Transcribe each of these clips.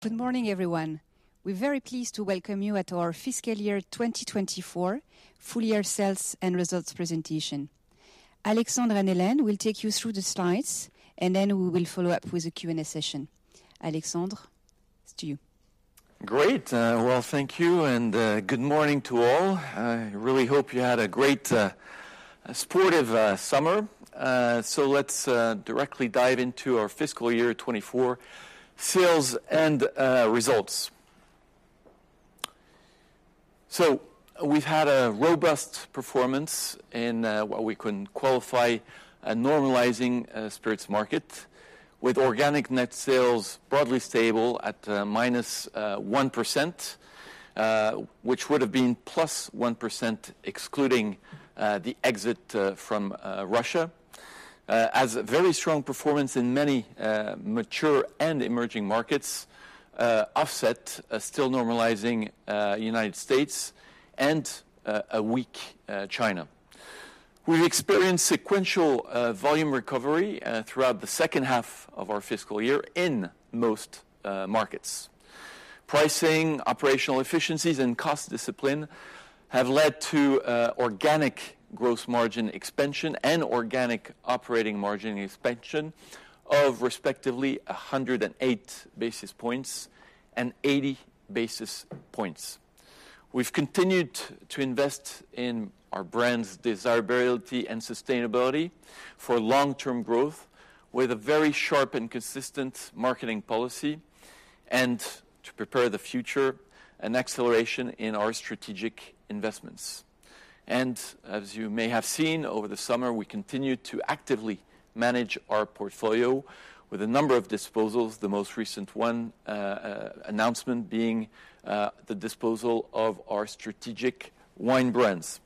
Good morning, everyone. We're very pleased to welcome you at our fiscal year 2024 full year sales and results presentation. Alexandre and Hélène will take you through the slides, and then we will follow up with a Q&A session. Alexandre, it's to you. Great, well, thank you, and good morning to all. I really hope you had a great sporty summer. Let's directly dive into our fiscal year 2024 sales and results. We've had a robust performance in what we can qualify as a normalizing spirits market, with organic net sales broadly stable at minus 1%, which would have been plus 1% excluding the exit from Russia. With a very strong performance in many mature and emerging markets offset a still normalizing United States and a weak China. We've experienced sequential volume recovery throughout the second half of our fiscal year in most markets. Pricing, operational efficiencies, and cost discipline have led to organic gross margin expansion and organic operating margin expansion of, respectively, 108 basis points and 80 basis points. We've continued to invest in our brand's desirability and sustainability for long-term growth, with a very sharp and consistent marketing policy, and to prepare the future, an acceleration in our strategic investments. And as you may have seen over the summer, we continued to actively manage our portfolio with a number of disposals, the most recent one announcement being the disposal of our strategic wine brands.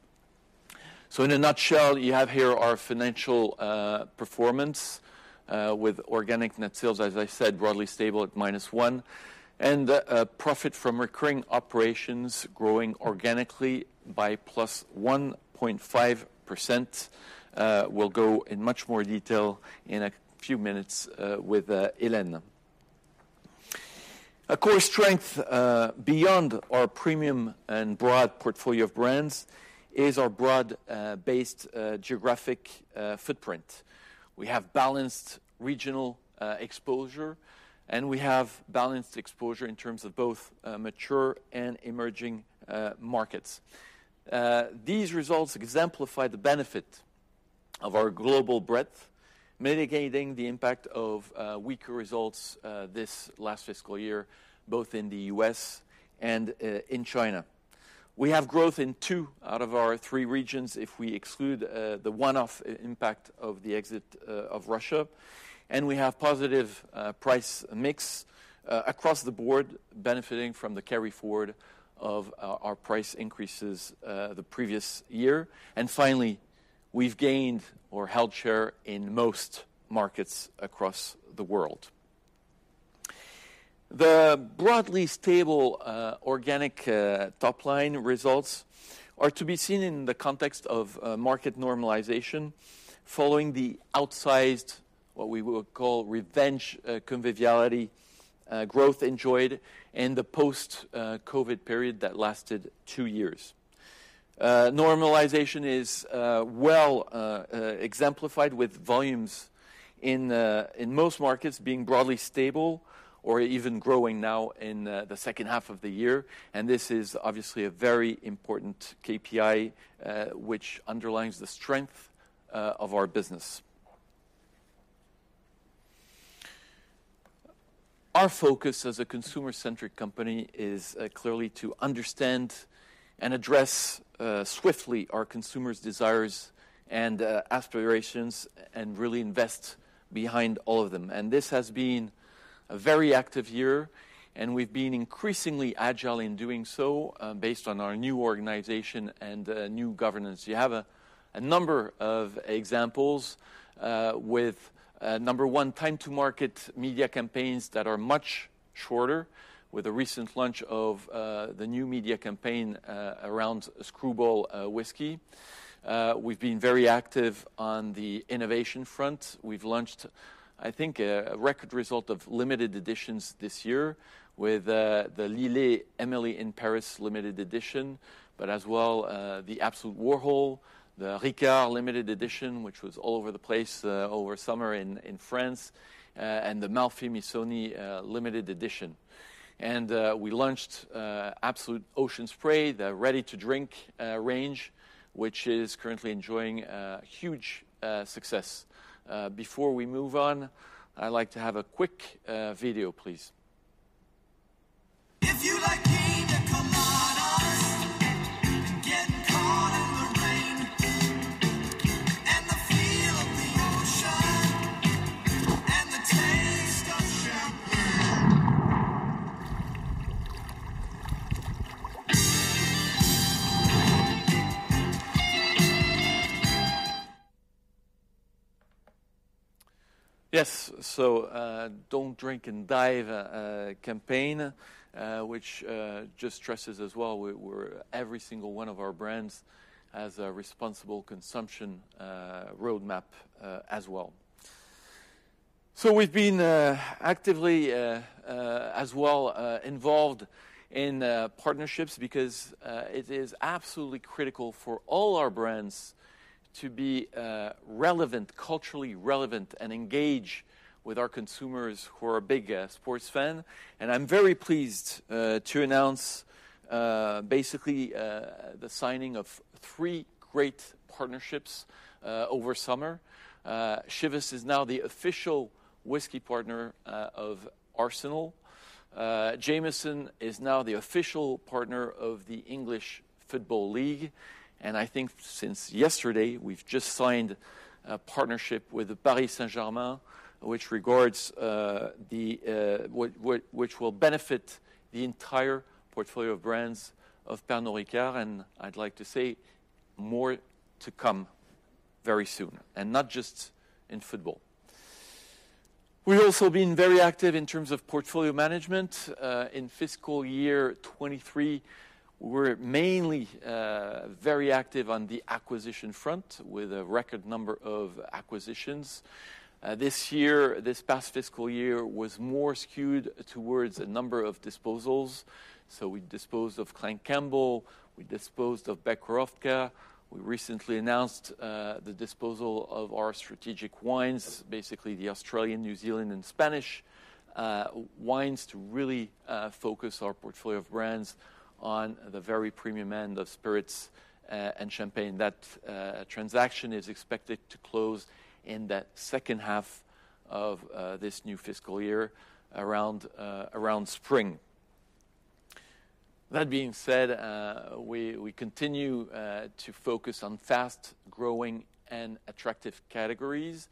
So in a nutshell, you have here our financial performance with organic net sales, as I said, broadly stable at -1%, and profit from recurring operations growing organically by +1.5%. We'll go in much more detail in a few minutes with Hélène. A core strength beyond our premium and broad portfolio of brands is our broad-based geographic footprint. We have balanced regional exposure, and we have balanced exposure in terms of both mature and emerging markets. These results exemplify the benefit of our global breadth, mitigating the impact of weaker results this last fiscal year, both in the U.S. and in China. We have growth in two out of our three regions if we exclude the one-off impact of the exit of Russia, and we have positive price mix across the board, benefiting from the carry forward of our price increases the previous year. And finally, we've gained or held share in most markets across the world. The broadly stable organic top-line results are to be seen in the context of market normalization following the outsized, what we would call, revenge conviviality growth enjoyed in the post-COVID period that lasted two years. Normalization is well exemplified with volumes in most markets being broadly stable or even growing now in the second half of the year, and this is obviously a very important KPI which underlines the strength of our business. Our focus as a consumer-centric company is clearly to understand and address swiftly our consumers' desires and aspirations and really invest behind all of them. And this has been a very active year, and we've been increasingly agile in doing so based on our new organization and new governance. You have a number of examples, with number one, time-to-market media campaigns that are much shorter, with the recent launch of the new media campaign around Skrewball whiskey. We've been very active on the innovation front. We've launched, I think, a record result of limited editions this year with the Lillet Emily in Paris limited edition, but as well the Absolut Warhol, the Ricard limited edition, which was all over the place over summer in France, and the Malfy Missoni limited edition, and we launched Absolut Ocean Spray, the ready-to-drink range, which is currently enjoying huge success. Before we move on, I'd like to have a quick video, please. If you like piña coladas, and getting caught in the rain, and the feel of the ocean, and the taste of champagne. Yes, so, Don't Drink and Dive campaign, which just stresses as well, we're, every single one of our brands has a responsible consumption roadmap as well. So we've been actively as well involved in partnerships because it is absolutely critical for all our brands to be relevant, culturally relevant, and engage with our consumers who are big sports fan. And I'm very pleased to announce basically the signing of three great partnerships over summer. Chivas is now the official whiskey partner of Arsenal. Jameson is now the official partner of the English Football League, and I think since yesterday, we've just signed a partnership with Paris Saint-Germain, which will benefit the entire portfolio of brands of Pernod Ricard, and I'd like to say, more to come very soon, and not just in football. We've also been very active in terms of portfolio management. In fiscal year 2023, we're mainly very active on the acquisition front, with a record number of acquisitions. This year, this past fiscal year was more skewed towards a number of disposals. We disposed of Clan Campbell. We disposed of Becherovka. We recently announced the disposal of our strategic wines, basically, the Australian, New Zealand, and Spanish wines, to really focus our portfolio of brands on the very premium end of spirits and champagne. That transaction is expected to close in the second half of this new fiscal year, around spring. That being said, we continue to focus on fast-growing and attractive categories.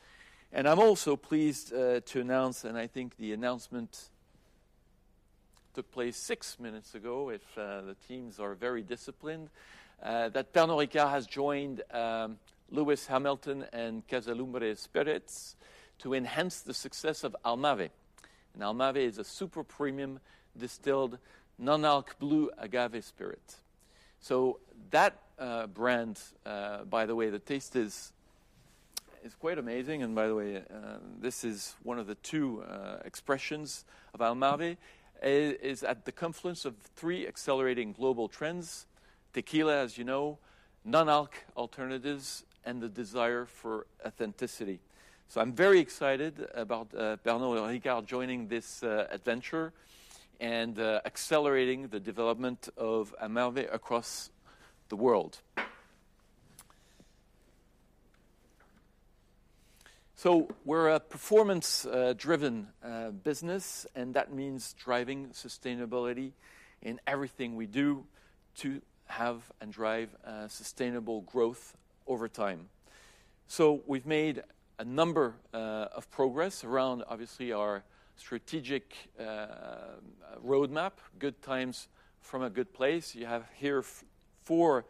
And I'm also pleased to announce, and I think the announcement took place six minutes ago, if the teams are very disciplined, that Pernod Ricard has joined Lewis Hamilton and Casa Lumbre Spirits to enhance the success of Almave. And Almave is a super premium, distilled, non-alc blue agave spirit. So that brand, by the way, the taste is quite amazing, and by the way, this is one of the two expressions of Almave, is at the confluence of three accelerating global trends: tequila, as you know, non-alc alternatives, and the desire for authenticity. So I'm very excited about Pernod Ricard joining this adventure and accelerating the development of Almave across the world. We're a performance driven business, and that means driving sustainability in everything we do to have and drive sustainable growth over time. We've made a number of progress around, obviously, our strategic roadmap. Good times from a good place. You have here four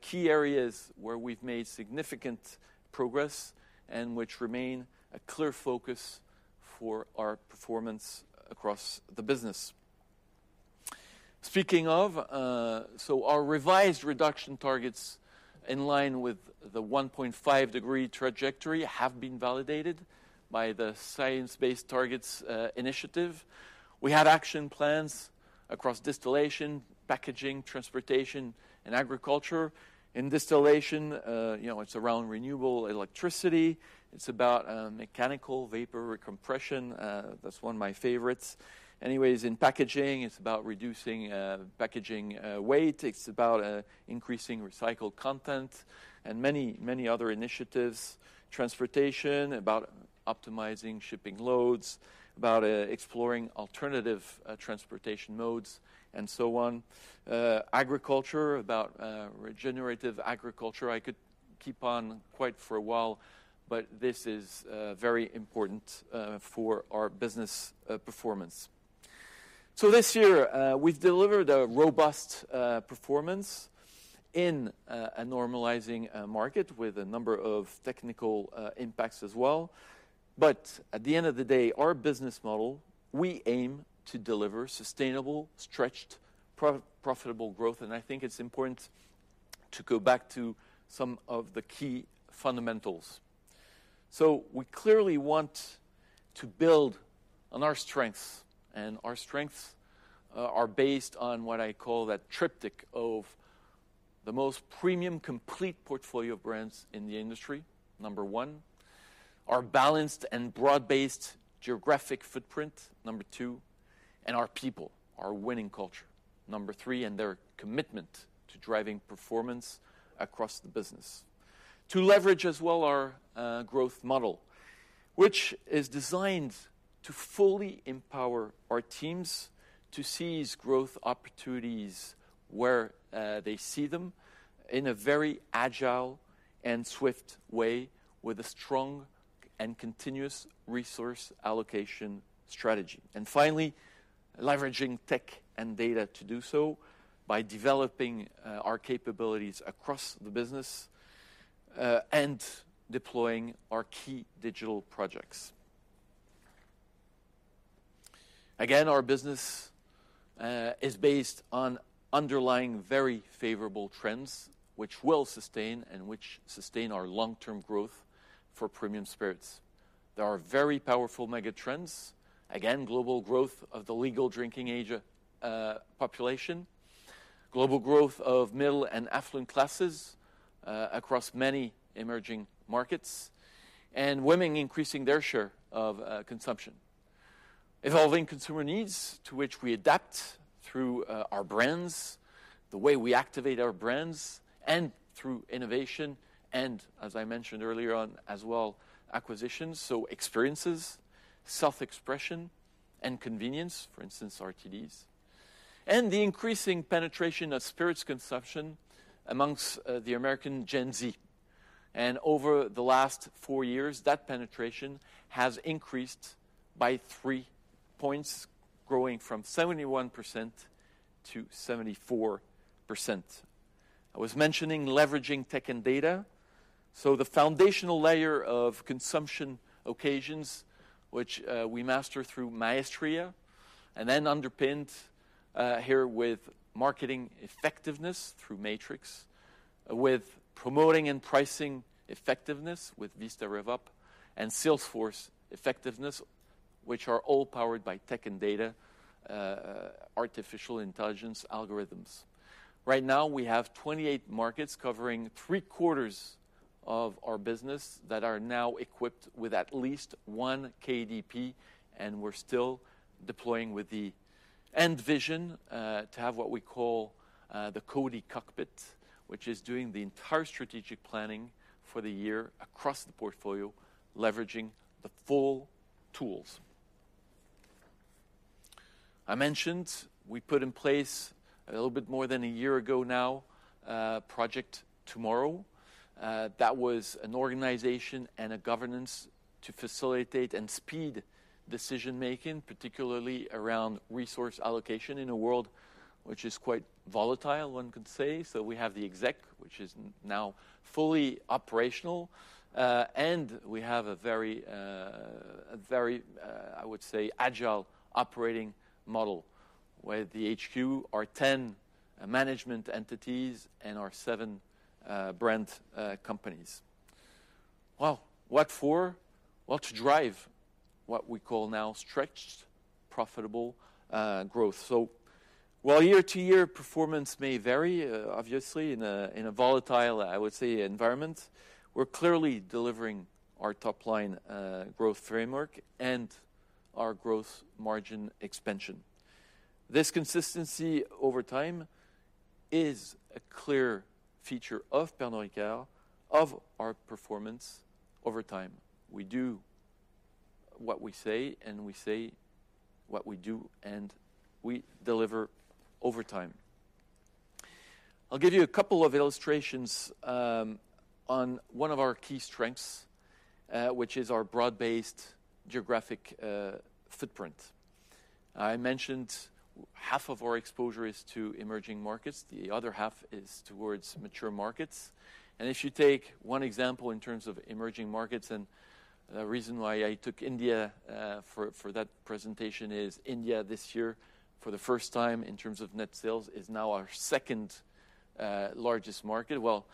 key areas where we've made significant progress and which remain a clear focus for our performance across the business. Speaking of, so our revised reduction targets, in line with the one-point-five-degree trajectory, have been validated by the Science-Based Targets Initiative. We had action plans across distillation, packaging, transportation, and agriculture. In distillation, you know, it's around renewable electricity. It's about mechanical vapor recompression. That's one of my favorites. Anyways, in packaging, it's about reducing packaging weight. It's about increasing recycled content and many, many other initiatives. In transportation, it's about optimizing shipping loads, about exploring alternative transportation modes, and so on. In agriculture, it's about regenerative agriculture. I could go on for quite a while, but this is very important for our business performance. So this year, we've delivered a robust performance in a normalizing market with a number of technical impacts as well. But at the end of the day, our business model, we aim to deliver sustainable, stretched, profitable growth, and I think it's important to go back to some of the key fundamentals. So we clearly want to build on our strengths, and our strengths are based on what I call that triptych of the most premium, complete portfolio brands in the industry, number one, our balanced and broad-based geographic footprint, number two, and our people, our winning culture, number three, and their commitment to driving performance across the business. To leverage as well our growth model, which is designed to fully empower our teams to seize growth opportunities where they see them in a very agile and swift way with a strong and continuous resource allocation strategy. And finally, leveraging tech and data to do so by developing our capabilities across the business and deploying our key digital projects. Again, our business is based on underlying very favorable trends, which will sustain and which sustain our long-term growth for premium spirits. There are very powerful megatrends. Again, global growth of the legal drinking age population, global growth of middle and affluent classes across many emerging markets, and women increasing their share of consumption. Evolving consumer needs, to which we adapt through our brands, the way we activate our brands, and through innovation, and as I mentioned earlier on as well, acquisitions, so experiences, self-expression, and convenience, for instance, RTDs. And the increasing penetration of spirits consumption amongst the American Gen Z. And over the last four years, that penetration has increased by three points, growing from 71%-74%. I was mentioning leveraging tech and data. The foundational layer of consumption occasions, which, we master through Maestria, and then underpinned, here with marketing effectiveness through Matrix, with promoting and pricing effectiveness with Vista RevUp, and Salesforce effectiveness, which are all powered by tech and data, artificial intelligence algorithms. Right now, we have 28 markets covering three-quarters of our business that are now equipped with at least one KDP, and we're still deploying with the end vision, to have what we call, the Kodi cockpit, which is doing the entire strategic planning for the year across the portfolio, leveraging the full tools. I mentioned we put in place, a little bit more than a year ago now, Project Tomorrow. That was an organization and a governance to facilitate and speed decision-making, particularly around resource allocation in a world which is quite volatile, one could say. So we have the EXEC, which is now fully operational, and we have a very agile operating model, with the HQ, our 10 management entities, and our seven brand companies. Well, what for? Well, to drive what we call now stretched, profitable growth. So while year-to-year performance may vary, obviously, in a volatile, I would say, environment, we're clearly delivering our top-line growth framework and our growth margin expansion. This consistency over time is a clear feature of Pernod Ricard, of our performance over time. We do what we say, and we say what we do, and we deliver over time. I'll give you a couple of illustrations on one of our key strengths, which is our broad-based geographic footprint. I mentioned half of our exposure is to emerging markets, the other half is towards mature markets. And if you take one example in terms of emerging markets, and the reason why I took India for that presentation is India, this year, for the first time in terms of net sales, is now our second largest market. Well,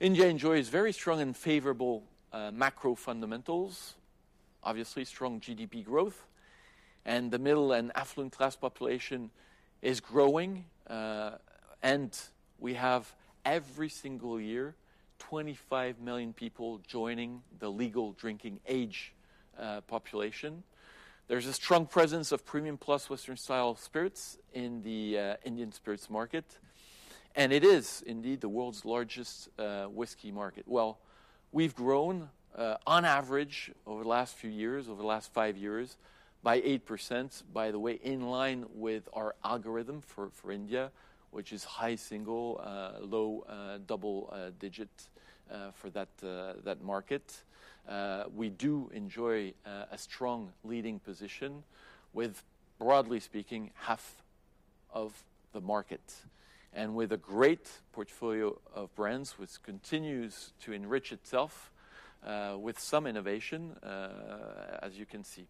India enjoys very strong and favorable macro fundamentals, obviously strong GDP growth, and the middle and affluent class population is growing, and we have, every single year, 25 million people joining the legal drinking age population. There's a strong presence of premium plus Western-style spirits in the Indian spirits market, and it is indeed the world's largest whiskey market. We've grown, on average over the last few years, over the last 5 years, by 8%, by the way, in line with our algorithm for India, which is high single to low double digit for that market. We do enjoy a strong leading position with, broadly speaking, half of the market, and with a great portfolio of brands, which continues to enrich itself with some innovation, as you can see.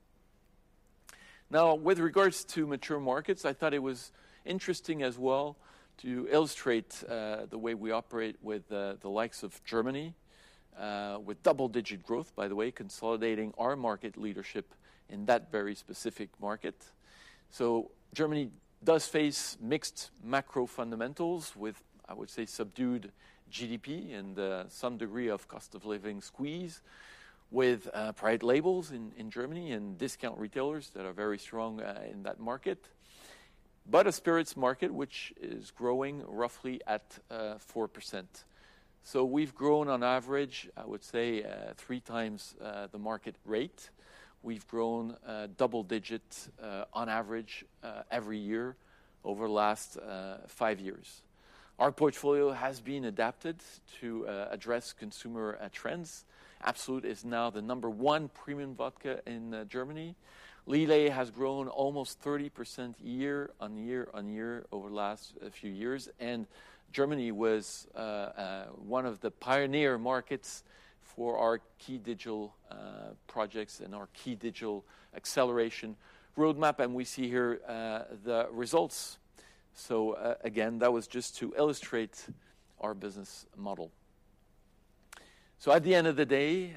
Now, with regards to mature markets, I thought it was interesting as well to illustrate the way we operate with the likes of Germany with double-digit growth, by the way, consolidating our market leadership in that very specific market. Germany does face mixed macro fundamentals with, I would say, subdued GDP and some degree of cost-of-living squeeze, with private labels in Germany and discount retailers that are very strong in that market, but a spirits market which is growing roughly at 4%. We've grown on average, I would say, three times the market rate. We've grown double digits on average every year over the last five years. Our portfolio has been adapted to address consumer trends. Absolut is now the number one premium vodka in Germany. Lillet has grown almost 30% year on year on year over the last few years. Germany was one of the pioneer markets for our key digital projects and our key digital acceleration roadmap, and we see here the results. Again, that was just to illustrate our business model. At the end of the day,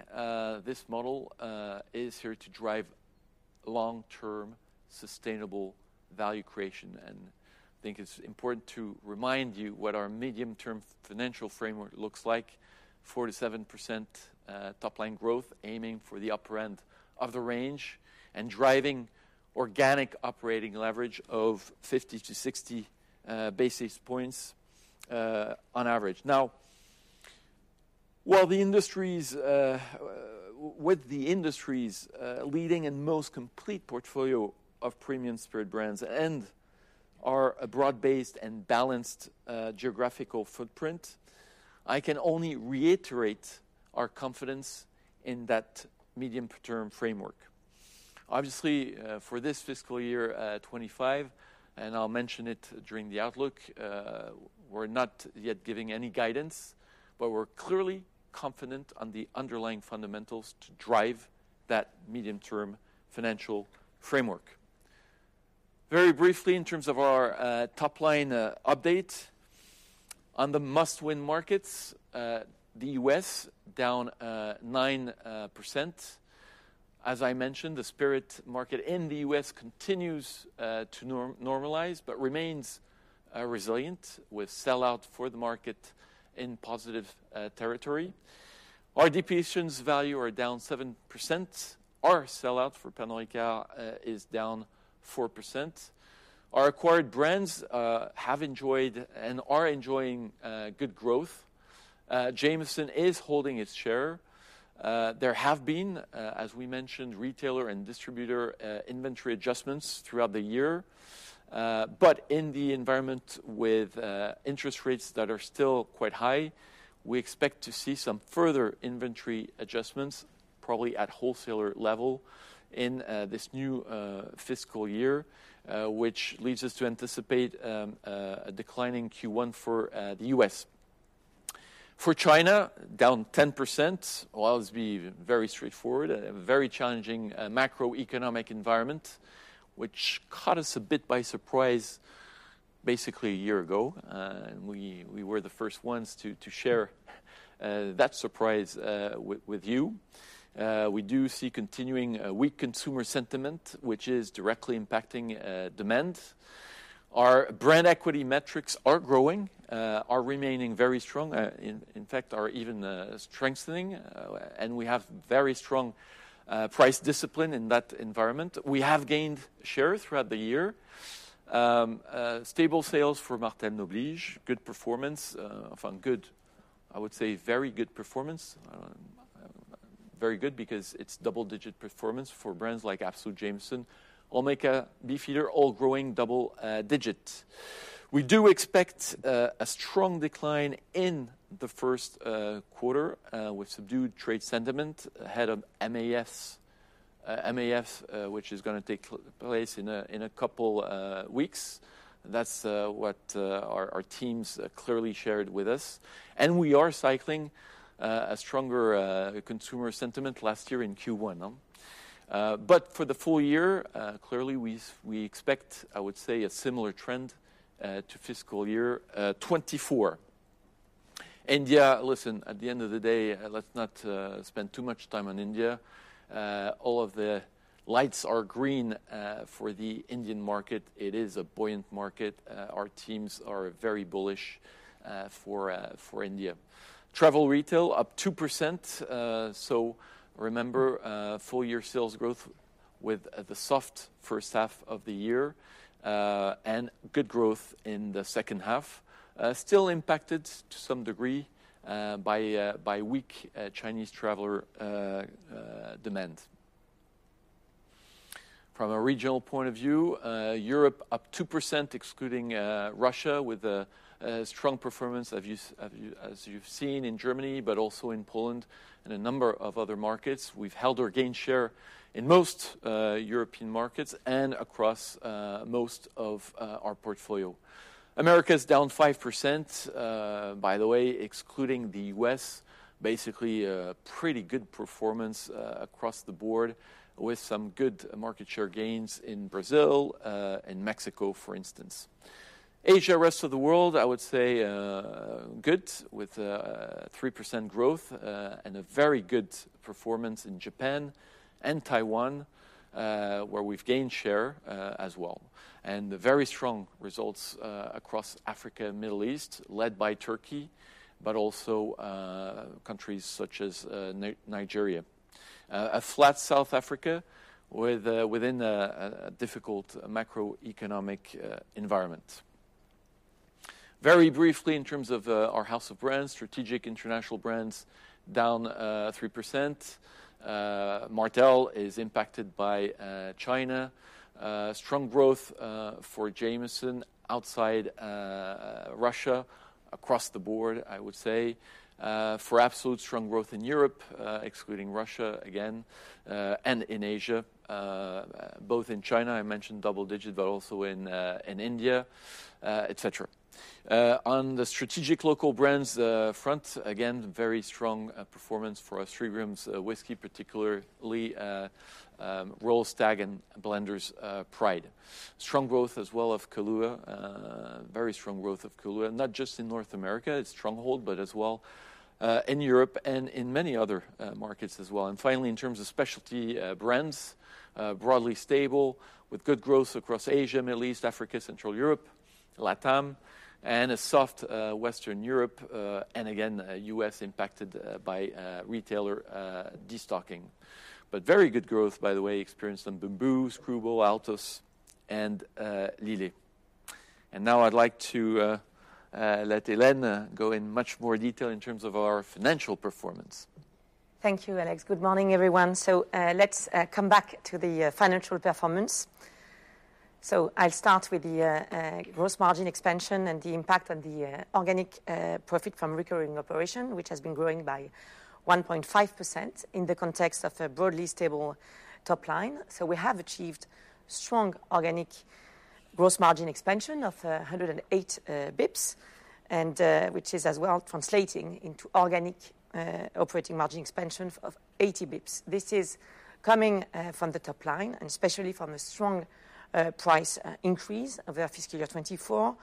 this model is here to drive long-term, sustainable value creation. I think it's important to remind you what our medium-term financial framework looks like: 4%-7% top-line growth, aiming for the upper end of the range, and driving organic operating leverage of 50-60 basis points on average. With the industry's leading and most complete portfolio of premium spirits brands and our broad-based and balanced geographical footprint, I can only reiterate our confidence in that medium-term framework. For this fiscal year 2025, and I'll mention it during the outlook, we're not yet giving any guidance, but we're clearly confident on the underlying fundamentals to drive that medium-term financial framework. Very briefly, in terms of our top-line update on the must-win markets, the U.S., down 9%. As I mentioned, the spirits market in the U.S. continues to normalize, but remains resilient, with sellout for the market in positive territory. Our depletions value are down 7%. Our sellout for Americas is down 4%. Our acquired brands have enjoyed and are enjoying good growth. Jameson is holding its share. There have been, as we mentioned, retailer and distributor inventory adjustments throughout the year, but in the environment with interest rates that are still quite high, we expect to see some further inventory adjustments, probably at wholesaler level, in this new fiscal year, which leads us to anticipate a decline in Q1 for the U.S. For China, down 10%. I'll just be very straightforward: a very challenging macroeconomic environment, which caught us a bit by surprise basically a year ago, and we were the first ones to share that surprise with you. We do see continuing weak consumer sentiment, which is directly impacting demand. Our brand equity metrics are growing, are remaining very strong, in fact, are even strengthening, and we have very strong price discipline in that environment. We have gained share throughout the year. Stable sales for Martell Noblige. Good performance, good. I would say very good performance. Very good because it's double-digit performance for brands like Absolut, Jameson, Olmeca, Beefeater, all growing double-digit. We do expect a strong decline in the first quarter with subdued trade sentiment ahead of MAFs. MAF, which is gonna take place in a couple weeks. That's what our teams clearly shared with us, and we are cycling a stronger consumer sentiment last year in Q1, no? But for the full year, clearly, we expect, I would say, a similar trend to fiscal year 2024. India, listen, at the end of the day, let's not spend too much time on India. All of the lights are green for the Indian market. It is a buoyant market. Our teams are very bullish for India. Travel retail, up 2%. So remember, full-year sales growth with the soft first half of the year and good growth in the second half. Still impacted to some degree by weak Chinese traveler demand. From a regional point of view, Europe up 2%, excluding Russia, with a strong performance, as you've seen in Germany, but also in Poland and a number of other markets. We've held or gained share in most European markets and across most of our portfolio. Americas, down 5%. By the way, excluding the U.S., basically, a pretty good performance across the board, with some good market share gains in Brazil and Mexico, for instance. Asia, rest of the world, I would say, good, with 3% growth, and a very good performance in Japan and Taiwan, where we've gained share, as well, and very strong results across Africa and Middle East, led by Turkey, but also countries such as Nigeria. A flat South Africa, within a difficult macroeconomic environment. Very briefly, in terms of our house of brands, strategic international brands down 3%. Martell is impacted by China. Strong growth for Jameson outside Russia, across the board, I would say. For Absolut, strong growth in Europe, excluding Russia again, and in Asia, both in China, I mentioned double digit, but also in India, et cetera. On the strategic local brands front, again, very strong performance for us. Seagram's Whiskey, particularly, Royal Stag and Blenders Pride. Strong growth as well of Kahlúa. Very strong growth of Kahlúa, not just in North America, its stronghold, but as well in Europe and in many other markets as well. And finally, in terms of specialty brands, broadly stable with good growth across Asia, Middle East, Africa, Central Europe, LATAM, and a soft Western Europe, and again, U.S. impacted by retailer destocking. But very good growth, by the way, experienced on Bumbu, Skrewball, Altos, and Lillet. And now I'd like to let Hélène go in much more detail in terms of our financial performance. Thank you, Alex. Good morning, everyone. Let's come back to the financial performance. I'll start with the gross margin expansion and the impact on the organic profit from recurring operation, which has been growing by 1.5% in the context of a broadly stable top line. We have achieved strong organic gross margin expansion of 108 basis points, and which is as well translating into organic operating margin expansion of 80 basis points. This is coming from the top line, and especially from a strong price increase over fiscal year 2024,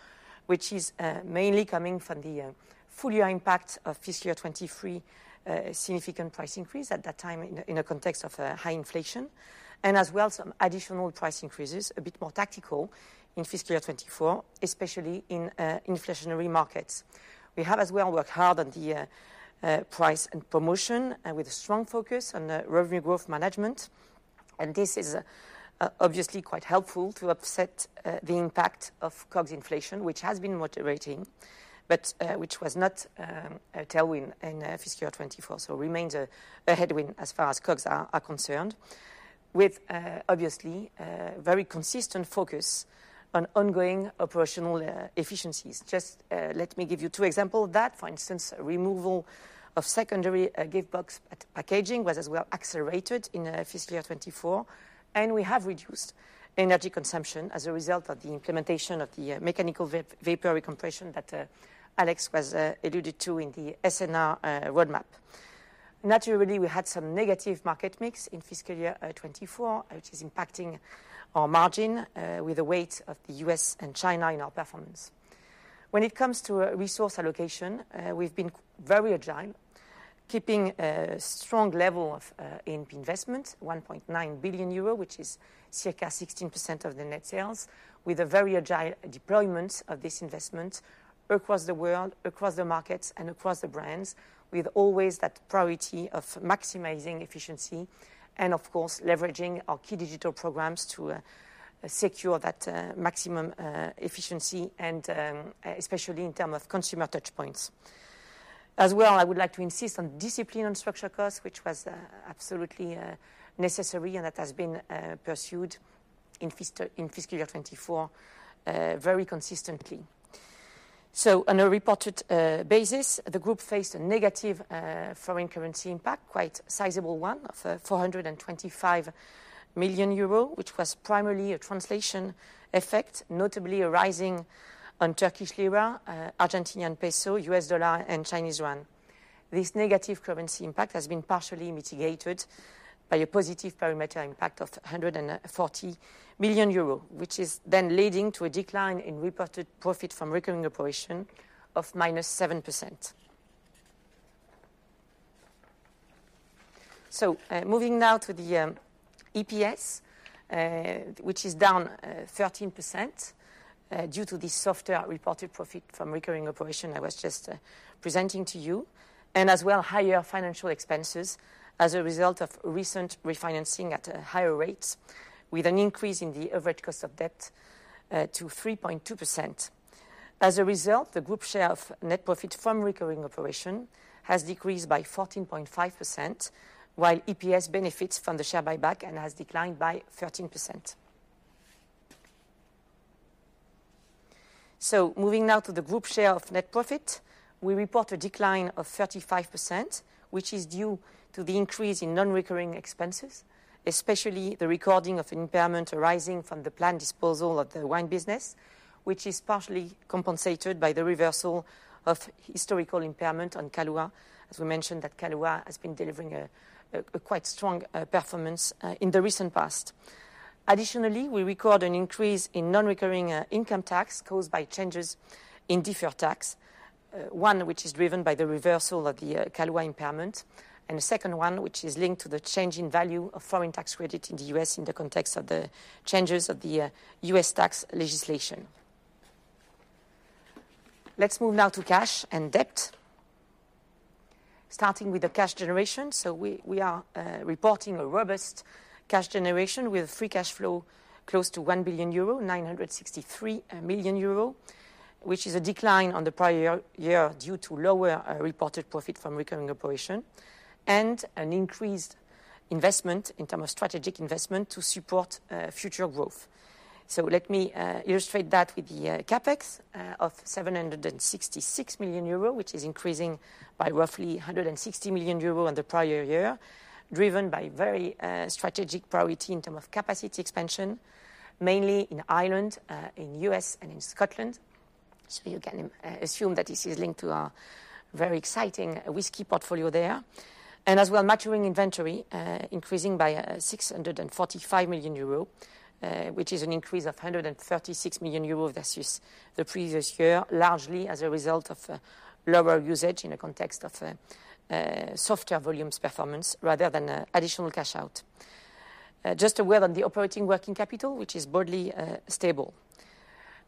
which is mainly coming from the full year impact of fiscal year 2023 significant price increase at that time in a context of high inflation. As well, some additional price increases, a bit more tactical in fiscal year 2024, especially in inflationary markets. We have as well worked hard on the price and promotion and with a strong focus on revenue growth management. This is obviously quite helpful to offset the impact of COGS inflation, which has been moderating, but which was not a tailwind in fiscal year 2024, so remains a headwind as far as COGS are concerned, with obviously very consistent focus on ongoing operational efficiencies. Just let me give you two example of that. For instance, removal of secondary gift box at packaging was as well accelerated in fiscal year 2024, and we have reduced energy consumption as a result of the implementation of the mechanical vapor recompression that Alex was alluded to in the SNR roadmap. Naturally, we had some negative market mix in fiscal year 2024, which is impacting our margin with the weight of the U.S. and China in our performance. When it comes to resource allocation, we've been very agile, keeping a strong level of investment, 1.9 billion euro, which is circa 16% of the net sales, with a very agile deployment of this investment across the world, across the markets, and across the brands, with always that priority of maximizing efficiency and of course, leveraging our key digital programs to secure that maximum efficiency and especially in terms of consumer touchpoints. I would like to insist on discipline on structural cost, which was absolutely necessary and that has been pursued in fiscal year 2024 very consistently. So on a reported basis, the group faced a negative foreign currency impact, quite sizable one, of 425 million euro, which was primarily a translation effect, notably arising on Turkish lira, Argentinian peso, U.S. dollar, and Chinese yuan. This negative currency impact has been partially mitigated by a positive parameter impact of 140 million euro, which is then leading to a decline in reported profit from recurring operation of -7%. So, moving now to the EPS, which is down 13%, due to the softer reported profit from recurring operation I was just presenting to you. And as well, higher financial expenses as a result of recent refinancing at a higher rate, with an increase in the average cost of debt to 3.2%. As a result, the group share of net profit from recurring operation has decreased by 14.5%, while EPS benefits from the share buyback and has declined by 13%. So moving now to the group share of net profit, we report a decline of 35%, which is due to the increase in non-recurring expenses, especially the recording of impairment arising from the planned disposal of the wine business, which is partially compensated by the reversal of historical impairment on Kahlúa. As we mentioned, that Kahlúa has been delivering a quite strong performance in the recent past. Additionally, we record an increase in non-recurring income tax caused by changes in deferred tax, one which is driven by the reversal of the Kahlúa impairment, and the second one, which is linked to the change in value of foreign tax credit in the U.S. in the context of the changes of the U.S. tax legislation. Let's move now to cash and debt. Starting with the cash generation. So we are reporting a robust cash generation with free cash flow close to 1 billion euro, 963 million euro, which is a decline on the prior year due to lower reported profit from recurring operation, and an increased investment in term of strategic investment to support future growth. So let me illustrate that with the CapEx of 766 million euro, which is increasing by roughly 160 million euro on the prior year, driven by very strategic priority in terms of capacity expansion, mainly in Ireland, in U.S., and in Scotland. So you can assume that this is linked to our very exciting whiskey portfolio there. And as well, maturing inventory increasing by 645 million euro, which is an increase of 136 million euro versus the previous year, largely as a result of lower usage in the context of softer volumes performance, rather than additional cash out. Just a word on the operating working capital, which is broadly stable.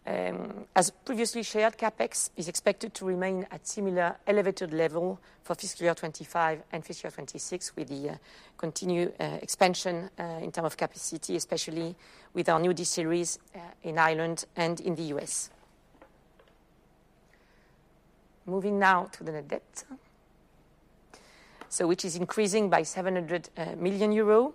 As previously shared, CapEx is expected to remain at similar elevated level for fiscal year 2025 and fiscal year 2026, with the continued expansion in terms of capacity, especially with our new distilleries in Ireland and in the U.S. Moving now to the net debt. So which is increasing by 700 million euro,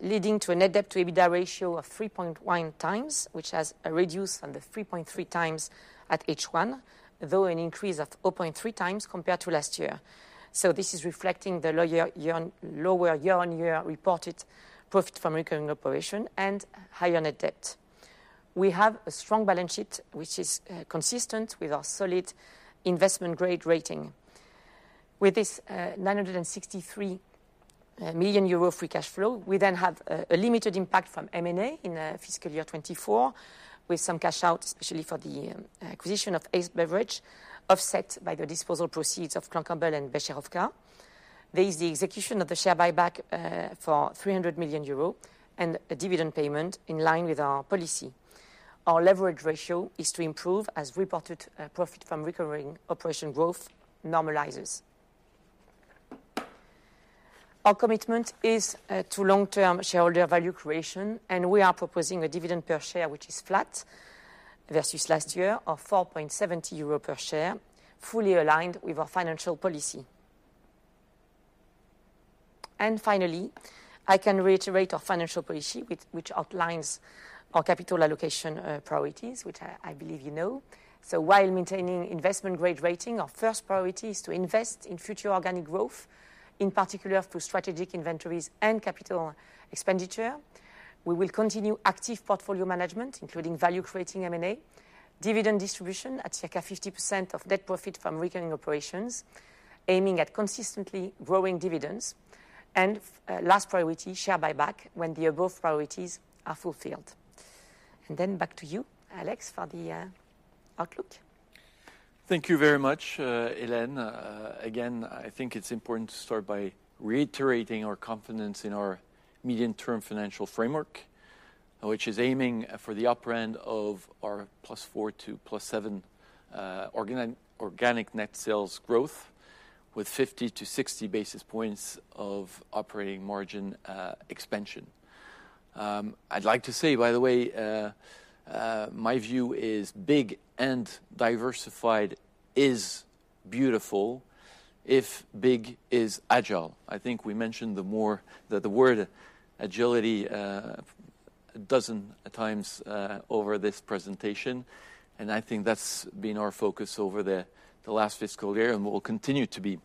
leading to a net debt to EBITDA ratio of 3.1 times, which has reduced from the 3.3 times at H1, though an increase of 0.3 times compared to last year. So this is reflecting the lower year-on-year reported profit from recurring operation and higher net debt. We have a strong balance sheet, which is consistent with our solid investment grade rating. With this, 963 million euro free cash flow, we then have a limited impact from M&A in fiscal year 2024, with some cash out, especially for the acquisition of Ace Beverage Group, offset by the disposal proceeds of Clan Campbell and Becherovka. There is the execution of the share buyback for 300 million euro and a dividend payment in line with our policy. Our leverage ratio is to improve as reported profit from recurring operation growth normalizes. Our commitment is to long-term shareholder value creation, and we are proposing a dividend per share, which is flat versus last year, of 4.70 euro per share, fully aligned with our financial policy. And finally, I can reiterate our financial policy, which outlines our capital allocation priorities, which I believe you know. So while maintaining investment grade rating, our first priority is to invest in future organic growth, in particular through strategic inventories and capital expenditure. We will continue active portfolio management, including value-creating M&A, dividend distribution at circa 50% of net profit from recurring operations, aiming at consistently growing dividends. And last priority, share buyback, when the above priorities are fulfilled. And then back to you, Alex, for the outlook. Thank you very much, Hélène. Again, I think it's important to start by reiterating our confidence in our medium-term financial framework, which is aiming for the upper end of our +4% to +7% organic net sales growth, with 50-60 basis points of operating margin expansion. I'd like to say, by the way, my view is big and diversified is beautiful if big is agile. I think we mentioned that the word agility a dozen times over this presentation, and I think that's been our focus over the last fiscal year and will continue to be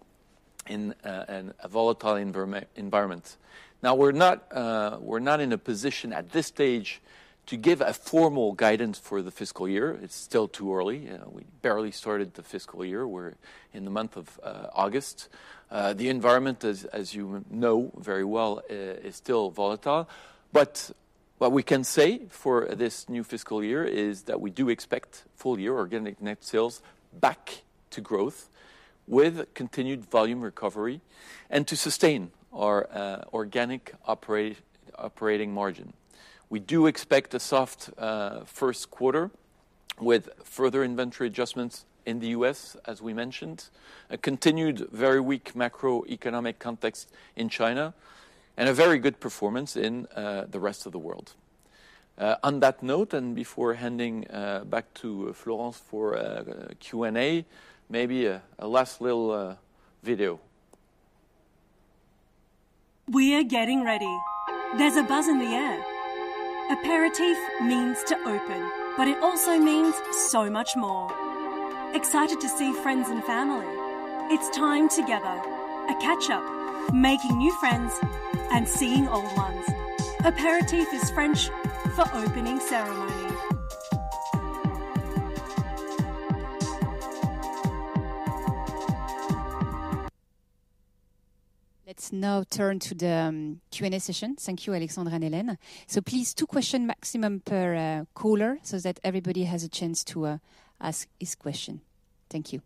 in a volatile environment. Now, we're not in a position at this stage to give a formal guidance for the fiscal year. It's still too early. We barely started the fiscal year. We're in the month of August. The environment, as you know very well, is still volatile, but what we can say for this new fiscal year is that we do expect full-year organic net sales back to growth, with continued volume recovery, and to sustain our organic operating margin. We do expect a soft first quarter with further inventory adjustments in the U.S., as we mentioned, a continued very weak macroeconomic context in China, and a very good performance in the rest of the world. On that note, and before handing back to Florence for Q&A, maybe a last little video. We are getting ready. There's a buzz in the air. Apéritif means to open, but it also means so much more. Excited to see friends and family. It's time together, a catch-up, making new friends and seeing old ones. Apéritif is French for opening ceremony. Let's now turn to the Q&A session. Thank you, Alexandre and Hélène. So please, two question maximum per caller, so that everybody has a chance to ask his question. Thank you.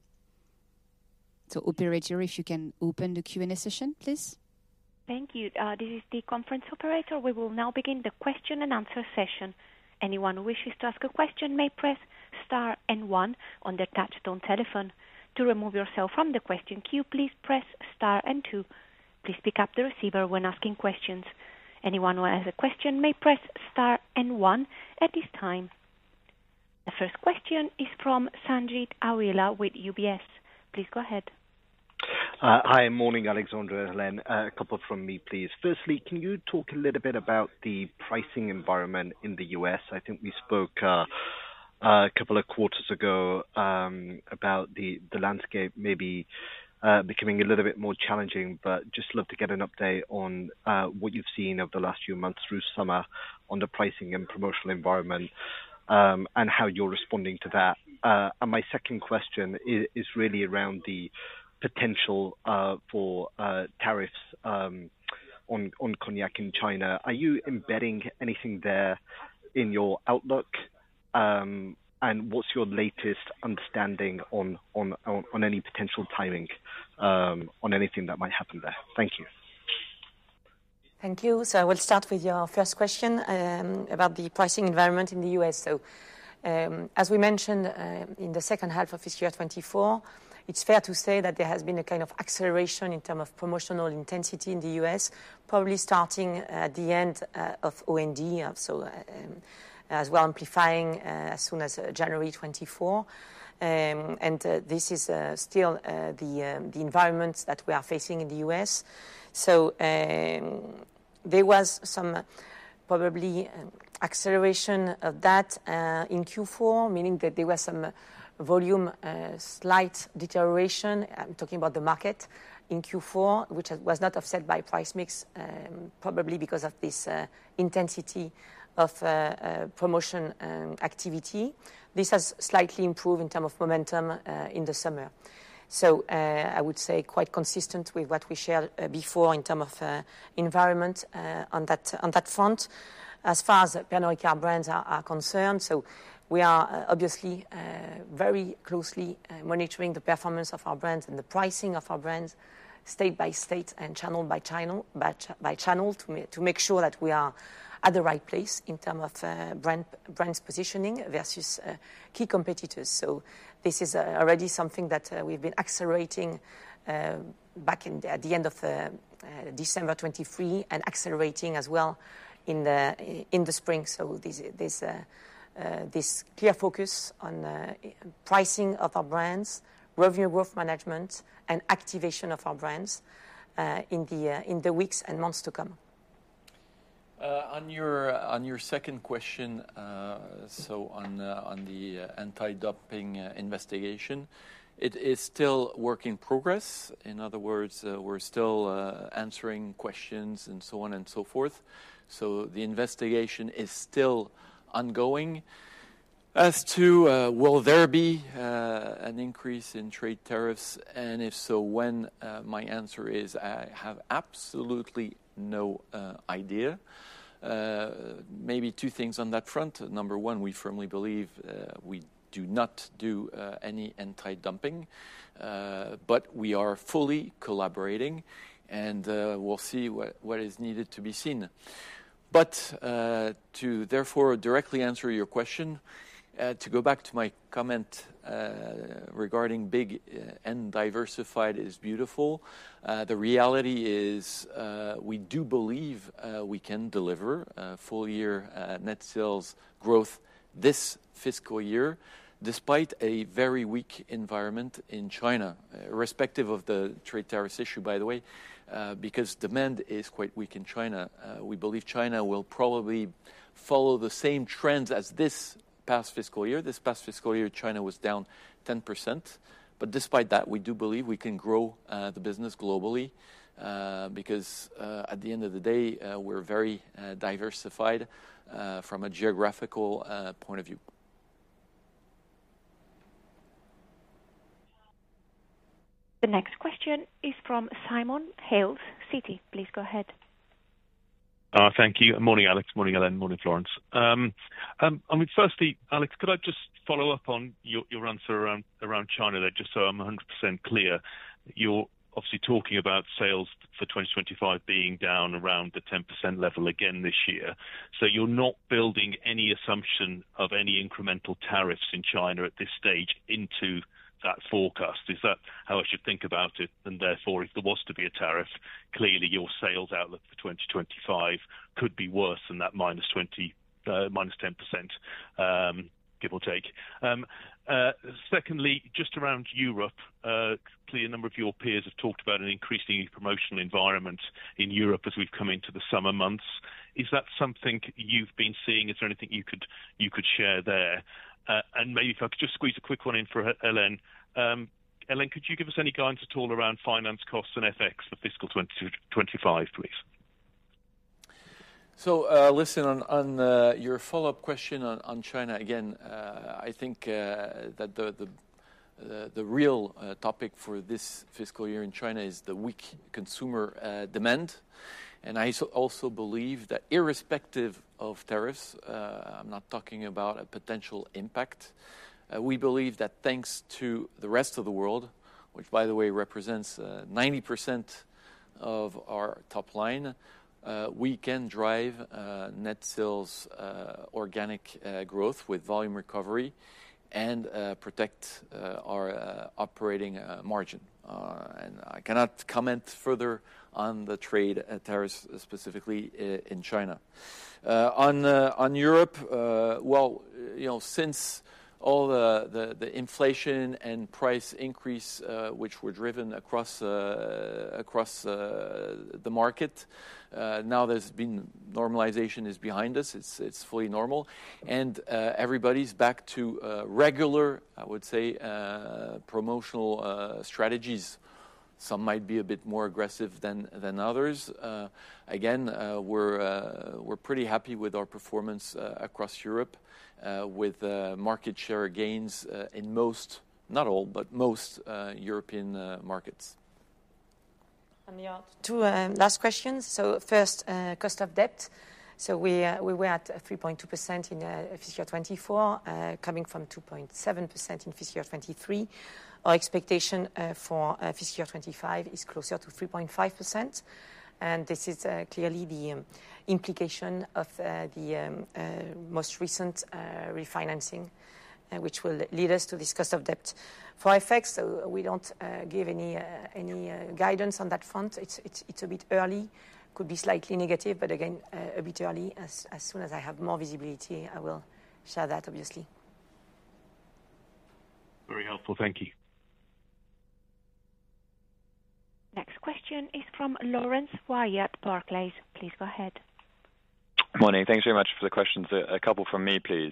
So operator, if you can open the Q&A session, please. Thank you. This is the conference operator. We will now begin the question and answer session. Anyone who wishes to ask a question may press star and one on their touchtone telephone. To remove yourself from the question queue, please press star and two. Please pick up the receiver when asking questions. Anyone who has a question may press star and one at this time. The first question is from Sanjeet Aujla with UBS. Please go ahead. Hi, morning, Alexandre, Hélène. A couple from me, please. Firstly, can you talk a little bit about the pricing environment in the U.S.? I think we spoke a couple of quarters ago about the landscape maybe becoming a little bit more challenging. But just love to get an update on what you've seen over the last few months through summer on the pricing and promotional environment and how you're responding to that. And my second question is really around the potential for tariffs on cognac in China. Are you embedding anything there in your outlook? And what's your latest understanding on any potential timing on anything that might happen there? Thank you. Thank you. So I will start with your first question, about the pricing environment in the U.S. So, as we mentioned, in the second half of fiscal 2024, it's fair to say that there has been a kind of acceleration in term of promotional intensity in the U.S., probably starting at the end of OND. And so, as well amplifying, as soon as January 2024. And, this is still the environment that we are facing in the U.S. So, there was some probably acceleration of that in Q4, meaning that there was some volume slight deterioration. I'm talking about the market in Q4, which was not offset by price mix, probably because of this intensity of promotion activity. This has slightly improved in term of momentum in the summer. So, I would say quite consistent with what we shared before in term of environment on that front. As far as Pernod Ricard brands are concerned, so we are obviously very closely monitoring the performance of our brands and the pricing of our brands state by state and channel by channel, to make sure that we are at the right place in term of brand's positioning versus key competitors. So this is already something that we've been accelerating back in at the end of December 2023, and accelerating as well in the spring. So this clear focus on pricing of our brands, revenue growth management, and activation of our brands in the weeks and months to come. On your second question, so on the anti-dumping investigation, it is still work in progress. In other words, we're still answering questions and so on and so forth. The investigation is still ongoing. As to will there be an increase in trade tariffs, and if so, when? My answer is I have absolutely no idea. Maybe two things on that front. Number one, we firmly believe we do not do any anti-dumping, but we are fully collaborating, and we'll see what is needed to be seen. But to therefore directly answer your question, to go back to my comment regarding big and diversified is beautiful, the reality is we do believe we can deliver full year net sales growth this fiscal year, despite a very weak environment in China, irrespective of the trade tariffs issue, by the way, because demand is quite weak in China. We believe China will probably follow the same trends as this past fiscal year. This past fiscal year, China was down 10%. But despite that, we do believe we can grow the business globally, because at the end of the day, we're very diversified from a geographical point of view. The next question is from Simon Hales, Citi. Please go ahead. Thank you. Morning, Alex; morning, Hélène; morning, Florence. I mean, firstly, Alex, could I just follow up on your answer around China there, just so I'm 100% clear. You're obviously talking about sales for 2025 being down around the 10% level again this year. So you're not building any assumption of any incremental tariffs in China at this stage into that forecast. Is that how I should think about it? And therefore, if there was to be a tariff, clearly your sales outlook for 2025 could be worse than that minus ten percent, give or take. Secondly, just around Europe, clearly, a number of your peers have talked about an increasing promotional environment in Europe as we've come into the summer months. Is that something you've been seeing? Is there anything you could share there? And maybe if I could just squeeze a quick one in for Hélène. Hélène, could you give us any guidance at all around finance costs and FX for fiscal 2025, please? Listen, on your follow-up question on China, again, I think that the real topic for this fiscal year in China is the weak consumer demand. I also believe that irrespective of tariffs, I'm not talking about a potential impact, we believe that thanks to the rest of the world, which by the way, represents 90% of our top line, we can drive net sales organic growth with volume recovery and protect our operating margin. I cannot comment further on the trade tariffs, specifically, in China. On Europe, well, you know, since all the inflation and price increase, which were driven across the market, now normalization is behind us. It's fully normal, and everybody's back to regular, I would say, promotional strategies. Some might be a bit more aggressive than others. Again, we're pretty happy with our performance across Europe, with market share gains in most, not all, but most European markets. Two last questions. So first, cost of debt. So we were at 3.2% in fiscal 2024, coming from 2.7% in fiscal 2023. Our expectation for fiscal 2025 is closer to 3.5%, and this is clearly the implication of the most recent refinancing, which will lead us to this cost of debt. FX effects, so we don't give any guidance on that front. It's a bit early. Could be slightly negative, but again, a bit early. As soon as I have more visibility, I will share that, obviously. Very helpful. Thank you. Next question is from Laurence Whyatt at Barclays. Please go ahead. Morning. Thanks very much for the questions. A couple from me, please.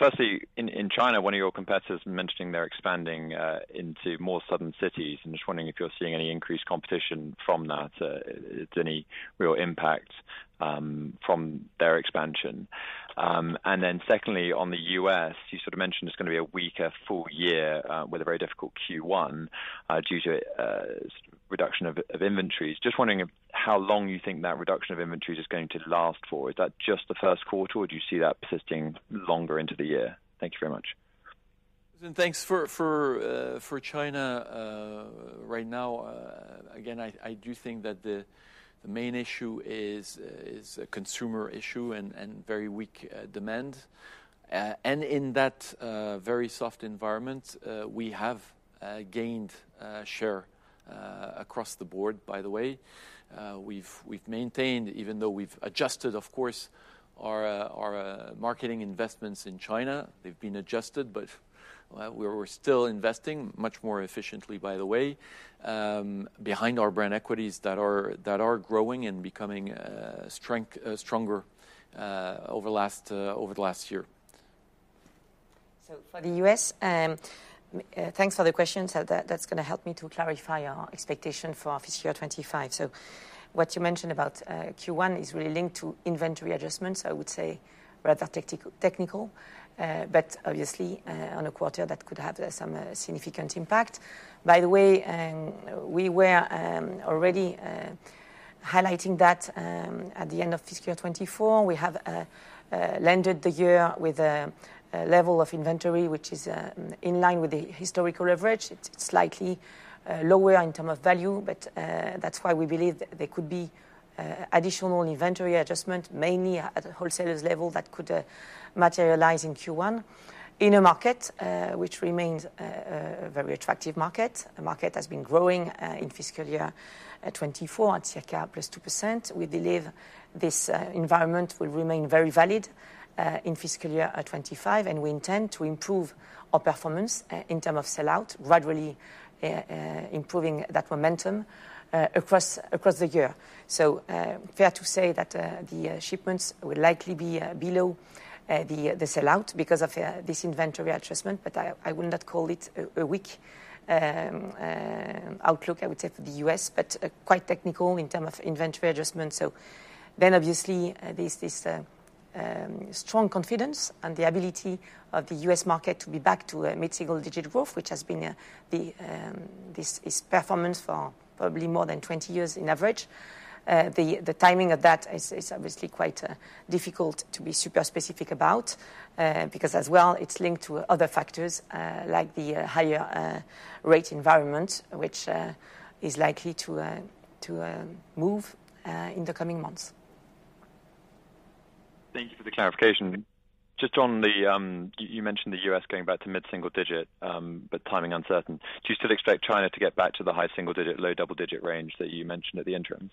Firstly, in China, one of your competitors mentioning they're expanding into more southern cities. I'm just wondering if you're seeing any increased competition from that, if any real impact from their expansion? And then secondly, on the U.S., you sort of mentioned it's gonna be a weaker full year, with a very difficult Q1, due to a reduction of inventories. Just wondering how long you think that reduction of inventories is going to last for? Is that just the first quarter, or do you see that persisting longer into the year? Thank you very much. And thanks for China right now. Again, I do think that the main issue is a consumer issue and very weak demand. In that very soft environment, we have gained share across the board, by the way. We've maintained, even though we've adjusted, of course, our marketing investments in China. They've been adjusted, but we're still investing much more efficiently, by the way, behind our brand equities that are growing and becoming stronger over the last year. So for the U.S., thanks for the question. So that, that's gonna help me to clarify our expectation for fiscal 2025. So what you mentioned about, Q1 is really linked to inventory adjustments, I would say rather technical. But obviously, on a quarter, that could have some, significant impact. By the way, we were already highlighting that, at the end of fiscal 2024. We have landed the year with a level of inventory, which is in line with the historical average. It's slightly lower in term of value, but that's why we believe there could be additional inventory adjustment, mainly at a wholesalers level, that could materialize in Q1. In a market which remains a very attractive market. The market has been growing in fiscal year 2024 at circa +2%. We believe this environment will remain very valid in fiscal year 2025, and we intend to improve our performance in terms of sell-out, gradually improving that momentum across the year. So fair to say that the shipments will likely be below the sell-out because of this inventory adjustment, but I would not call it a weak outlook. I would say for the U.S. but quite technical in terms of inventory adjustment. So then, obviously, there's this strong confidence and the ability of the US market to be back to a mid-single-digit growth, which has been this performance for probably more than 20 years in average. The timing of that is obviously quite difficult to be super specific about, because as well, it's linked to other factors, like the higher rate environment, which is likely to move in the coming months. Thank you for the clarification. Just on the, you mentioned the U.S. going back to mid-single digit, but timing uncertain. Do you still expect China to get back to the high single digit, low double-digit range that you mentioned at the interim?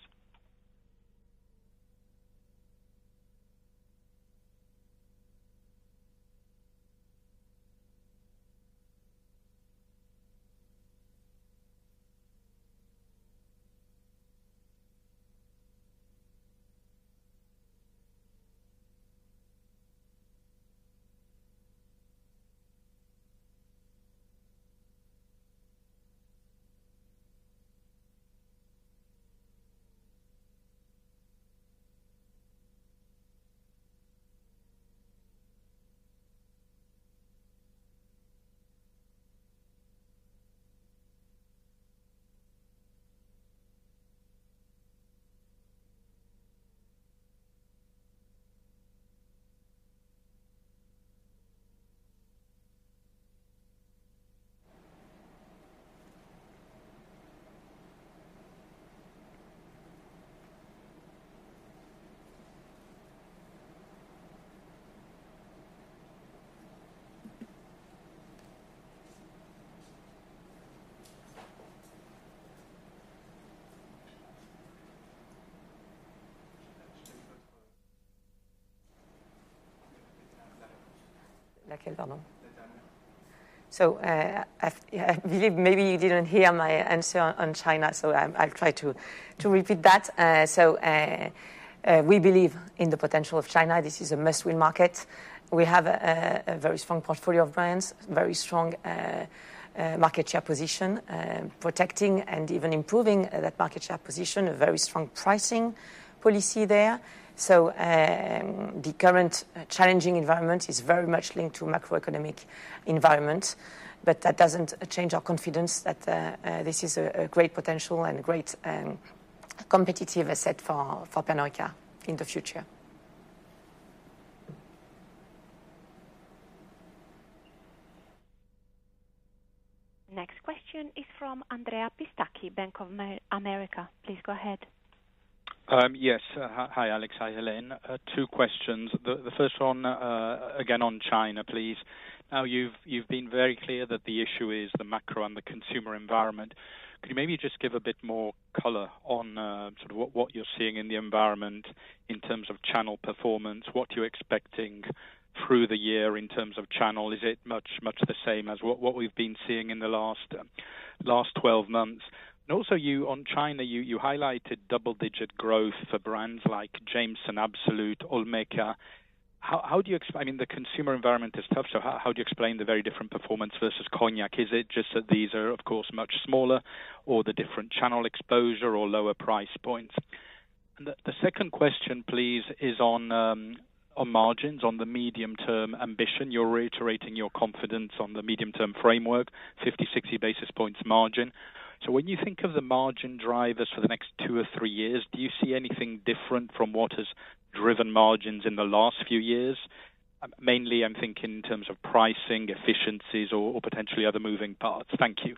So, I believe maybe you didn't hear my answer on China, so I'll try to repeat that. We believe in the potential of China. This is a must-win market. We have a very strong portfolio of brands, very strong market share position, protecting and even improving that market share position, a very strong pricing policy there. So, the current challenging environment is very much linked to macroeconomic environment, but that doesn't change our confidence that this is a great potential and a great competitive asset for Pernod Ricard in the future. Next question is from Andrea Pistocchi, Bank of America. Please go ahead. Yes. Hi, Alex. Hi, Hélène. Two questions. The first one, again, on China, please. Now, you've been very clear that the issue is the macro and the consumer environment. Can you maybe just give a bit more color on what you're seeing in the environment in terms of channel performance? What you're expecting through the year in terms of channel? Is it much the same as what we've been seeing in the last twelve months? And also, on China, you highlighted double-digit growth for brands like Jameson, Absolut, Olmeca. How do you explain. I mean, the consumer environment is tough, so how do you explain the very different performance versus cognac? Is it just that these are, of course, much smaller or the different channel exposure or lower price points? And the second question, please, is on margins, on the medium-term ambition. You're reiterating your confidence on the medium-term framework, 50, 60 basis points margin. So when you think of the margin drivers for the next two or three years, do you see anything different from what has driven margins in the last few years? Mainly, I'm thinking in terms of pricing, efficiencies, or potentially other moving parts. Thank you.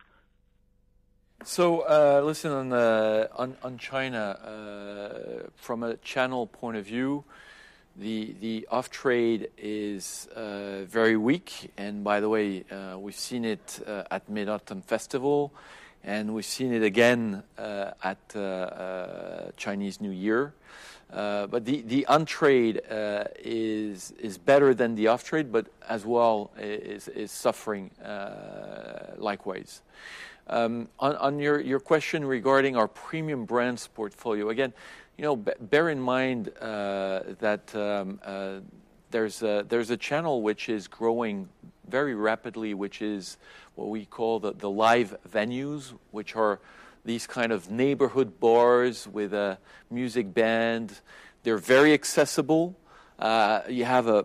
Listen, on China, from a channel point of view, the off-trade is very weak. And by the way, we've seen it at Mid-Autumn Festival, and we've seen it again at Chinese New Year. But the on-trade is better than the off-trade, but as well, is suffering likewise. On your question regarding our premium brands portfolio, again, you know, bear in mind that there's a channel which is growing very rapidly, which is what we call the live venues, which are these kind of neighborhood bars with a music band. They're very accessible. You have a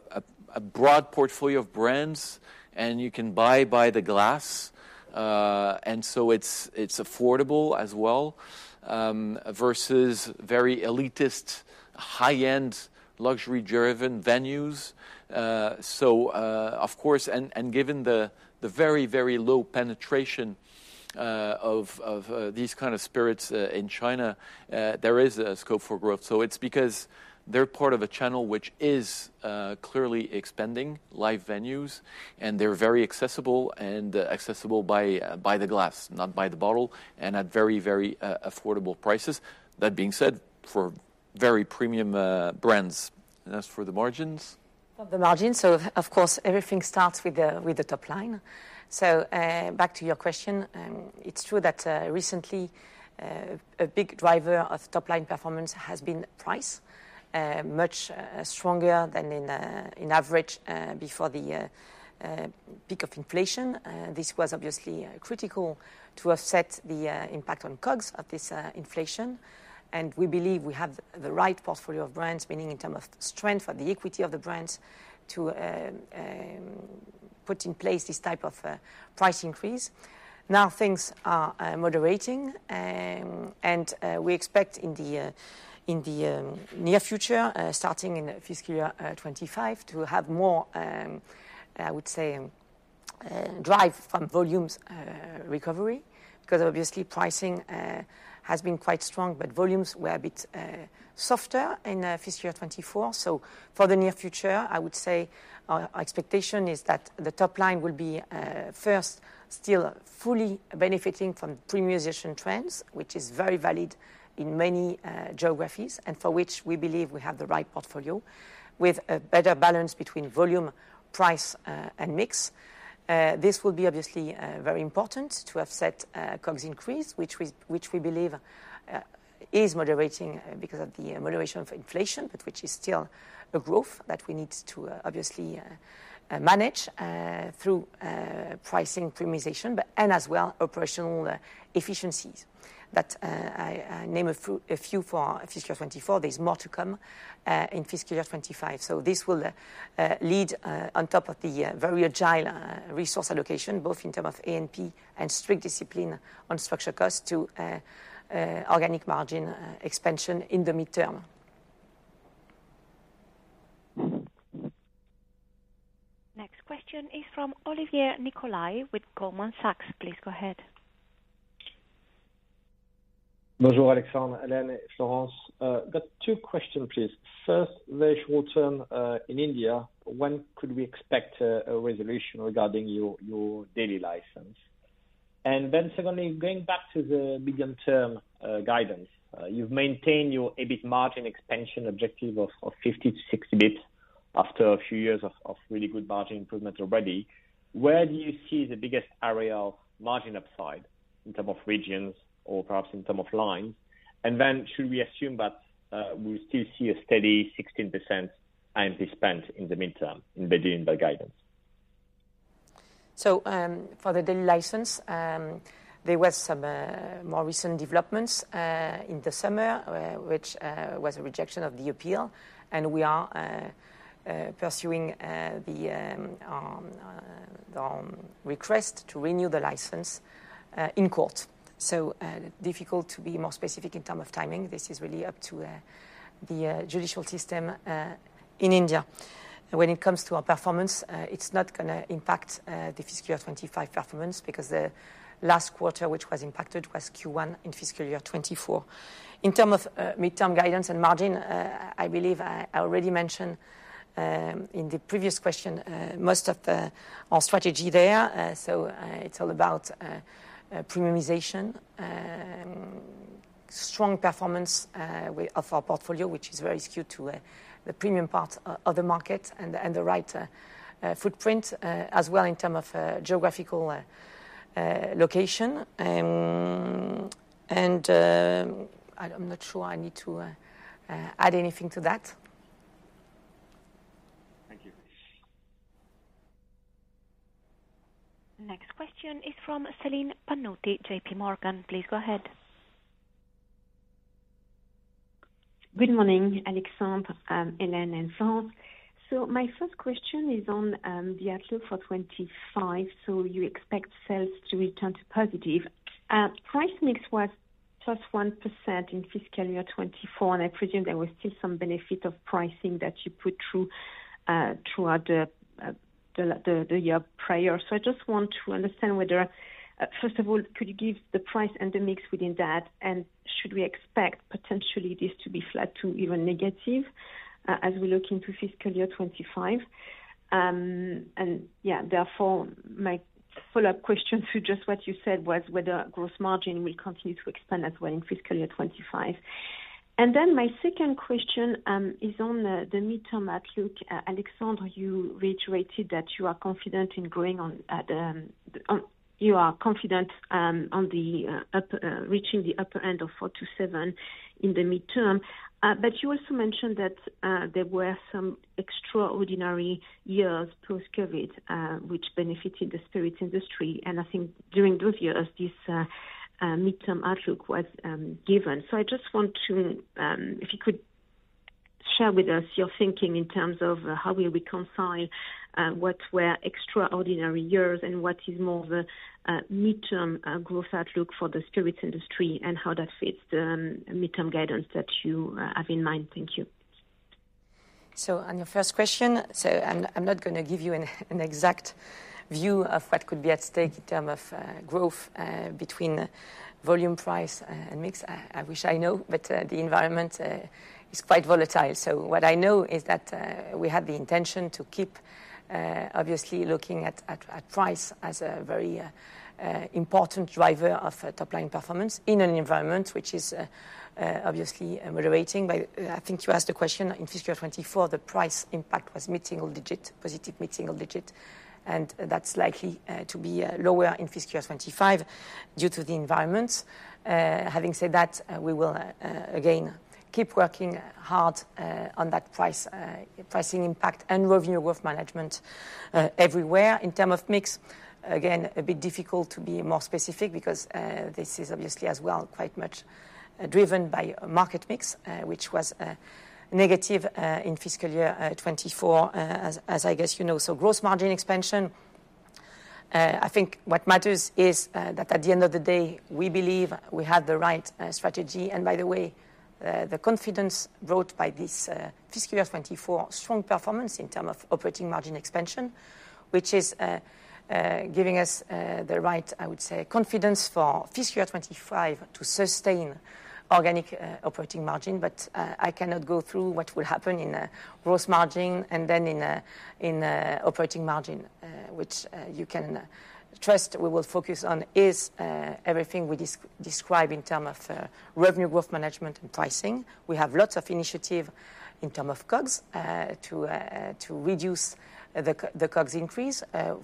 broad portfolio of brands, and you can buy by the glass. And so it's affordable as well versus very elitist, high-end, luxury-driven venues. So of course and given the very low penetration of these kind of spirits in China, there is a scope for growth. So it's because they're part of a channel which is clearly expanding, live venues, and they're very accessible, accessible by the glass, not by the bottle, and at very affordable prices. That being said, for very premium brands. And as for the margins? For the margins, so of course, everything starts with the top line. So, back to your question, it's true that, recently, a big driver of top-line performance has been price, much stronger than on average before the peak of inflation. This was obviously critical to offset the impact on COGS of this inflation. And we believe we have the right portfolio of brands, meaning in terms of strength or the equity of the brands, to put in place this type of price increase. Now, things are moderating, and we expect in the near future, starting in fiscal year 2025, to have more, I would say, drive from volumes recovery. Because obviously, pricing has been quite strong, but volumes were a bit softer in fiscal year 2024, so for the near future, I would say our expectation is that the top line will be first still fully benefiting from premiumization trends, which is very valid in many geographies, and for which we believe we have the right portfolio, with a better balance between volume, price, and mix. This will be obviously very important to offset COGS increase, which we believe is moderating because of the moderation of inflation, but which is still a growth that we need to obviously manage through pricing premiumization, but and as well, operational efficiencies. That I name a few for fiscal 2024. There's more to come in fiscal year 2025. So this will lead on top of the very agile resource allocation, both in terms of A&P and strict discipline on structural costs, to organic margin expansion in the midterm. Next question is from Olivier Nicolai with Goldman Sachs. Please go ahead. Bonjour, Alexandre, Hélène, Florence. Got two questions, please. First, very short term, in India, when could we expect a resolution regarding your duty license? And then secondly, going back to the medium-term guidance, you've maintained your EBIT margin expansion objective of 50-60 basis points after a few years of really good margin improvement already. Where do you see the biggest area of margin upside in terms of regions or perhaps in terms of lines? And then should we assume that we'll still see a steady 16% A&P spend in the medium term, in line with guidance? So, for the daily license, there were some more recent developments in the summer, which was a rejection of the appeal, and we are pursuing the request to renew the license in court. Difficult to be more specific in terms of timing. This is really up to the judicial system in India. When it comes to our performance, it's not gonna impact the fiscal year 2025 performance, because the last quarter, which was impacted, was Q1 in fiscal year 2024. In terms of midterm guidance and margin, I believe I already mentioned in the previous question most of our strategy there. So, it's all about premiumization, strong performance with of our portfolio, which is very skewed to the premium part of the market, and the right footprint as well in term of geographical location. And, I'm not sure I need to add anything to that. Thank you. Next question is from Celine Pannuti, JPMorgan. Please go ahead. Good morning, Alexandre, Hélène, and friends. My first question is on the outlook for 2025. You expect sales to return to positive. Price mix was plus 1% in fiscal year 2024, and I presume there was still some benefit of pricing that you put through throughout the year prior. I just want to understand whether first of all, could you give the price and the mix within that, and should we expect potentially this to be flat to even negative as we look into fiscal year 2025. Therefore, my follow-up question to just what you said was whether gross margin will continue to expand as well in fiscal year 2025. My second question is on the midterm outlook. Alexandre, you reiterated that you are confident in reaching the upper end of four to seven in the midterm. But you also mentioned that there were some extraordinary years post-COVID, which benefited the spirits industry, and I think during those years, this midterm outlook was given. So I just want to, if you could share with us your thinking in terms of how we reconcile what were extraordinary years and what is more the midterm growth outlook for the spirits industry, and how that fits the midterm guidance that you have in mind. Thank you. On your first question, so I'm not gonna give you an exact view of what could be at stake in terms of growth between volume, price, and mix. I wish I know, but the environment is quite volatile. What I know is that we have the intention to keep obviously looking at price as a very important driver of top-line performance in an environment which is obviously moderating. I think you asked the question, in fiscal year 2024, the price impact was mid-single digit, positive mid-single digit, and that's likely to be lower in fiscal year 2025 due to the environment. Having said that, we will again keep working hard on that price pricing impact and revenue growth management everywhere. In terms of mix, again, a bit difficult to be more specific because, this is obviously as well, quite much, driven by market mix, which was, negative, in fiscal year 2024, as I guess you know. So gross margin expansion, I think what matters is, that at the end of the day, we believe we have the right, strategy. And by the way, the confidence brought by this, fiscal year 2024 strong performance in terms of operating margin expansion, which is, giving us, the right, I would say, confidence for fiscal year 2025 to sustain organic, operating margin. I cannot go through what will happen in gross margin and then in operating margin, which you can trust we will focus on is everything we describe in terms of revenue growth management and pricing. We have lots of initiative in terms of COGS to reduce the COGS increase,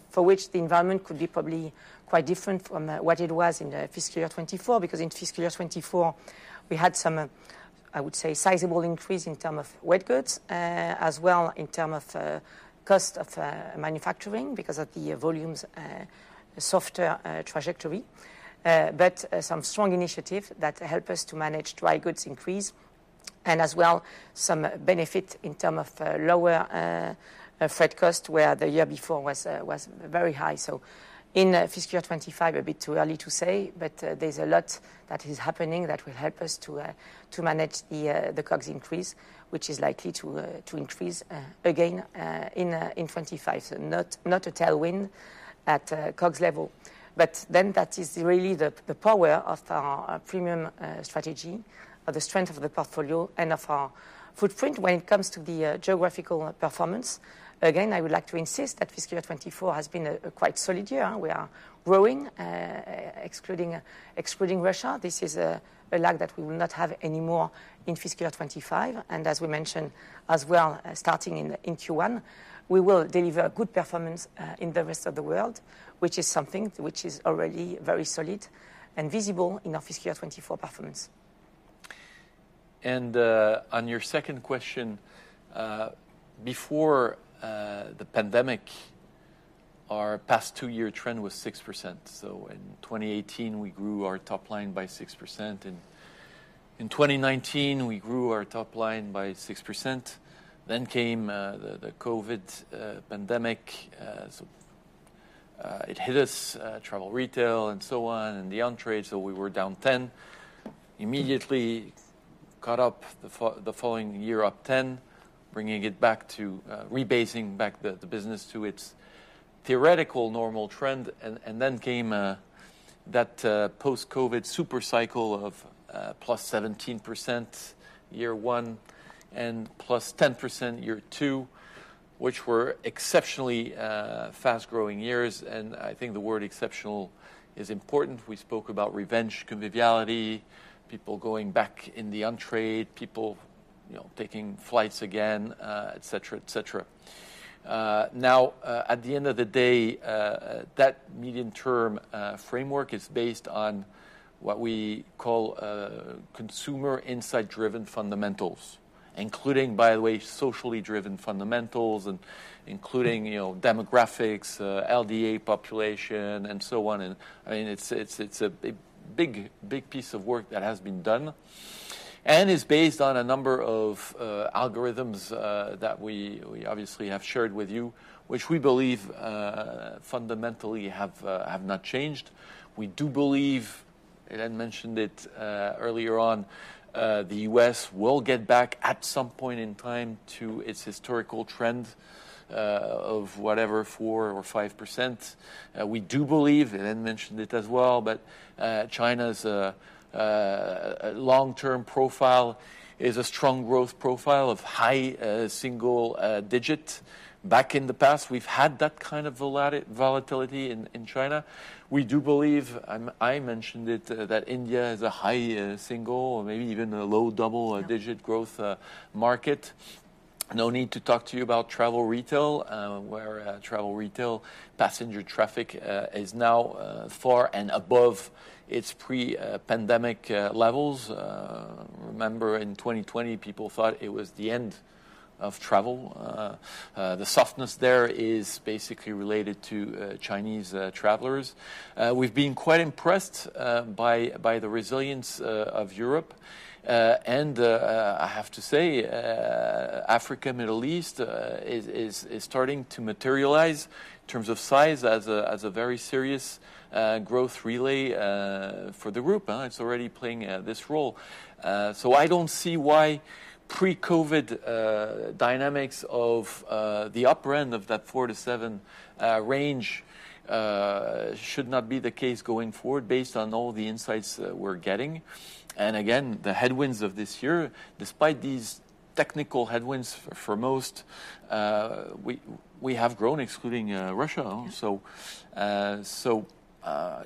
for which the environment could be probably quite different from what it was in the fiscal year 2024. Because in fiscal year 2024, we had some I would say sizable increase in terms of wet goods as well in terms of cost of manufacturing, because of the volume's softer trajectory. But some strong initiative that help us to manage dry goods increase, and as well, some benefit in term of lower freight cost, where the year before was very high. So in fiscal year 2025, a bit too early to say, but there's a lot that is happening that will help us to manage the COGS increase, which is likely to increase again in 2025. Not a tailwind at COGS level. But then that is really the power of our premium strategy, the strength of the portfolio and of our footprint when it comes to the geographical performance. Again, I would like to insist that fiscal year 2024 has been a quite solid year. We are growing, excluding Russia. This is a lag that we will not have anymore in fiscal year 2025. And as we mentioned as well, starting in Q1, we will deliver good performance in the rest of the world, which is something which is already very solid and visible in our fiscal year 2024 performance. And on your second question, before the pandemic, our past two-year trend was 6%. In 2018, we grew our top line by 6%, and in 2019, we grew our top line by 6%. Then came the COVID pandemic. So it hit us, travel retail, and so on, and the on-trade, so we were down 10%. Immediately caught up the following year, up 10%, bringing it back to rebasing back the business to its theoretical normal trend. And then came that post-COVID super cycle of +17% year one and +10% year two, which were exceptionally fast-growing years, and I think the word exceptional is important. We spoke about revenge, conviviality, people going back in the on-trade, people, you know, taking flights again, et cetera, et cetera. Now, at the end of the day, that medium-term framework is based on what we call consumer insight-driven fundamentals, including, by the way, socially driven fundamentals and including, you know, demographics, LDA population, and so on. And, I mean, it's a big piece of work that has been done and is based on a number of algorithms that we obviously have shared with you, which we believe fundamentally have not changed. We do believe, and I mentioned it earlier on, the U.S. will get back at some point in time to its historical trend of whatever, 4% or 5%. We do believe, and I mentioned it as well, but, China's long-term profile is a strong growth profile of high single digit. Back in the past, we've had that kind of volatility in China. We do believe, I mentioned it, that India is a high single or maybe even a low double-digit growth market. No need to talk to you about travel retail, where travel retail passenger traffic is now far and above its pre-pandemic levels. Remember, in 2020, people thought it was the end of travel. The softness there is basically related to Chinese travelers. We've been quite impressed by the resilience of Europe. And I have to say, Africa, Middle East is starting to materialize in terms of size as a very serious growth really for the group, and it's already playing this role. So I don't see why pre-COVID dynamics of the upper end of that four to seven range should not be the case going forward, based on all the insights that we're getting. And again, the headwinds of this year, despite these technical headwinds for most, we have grown, excluding Russia, so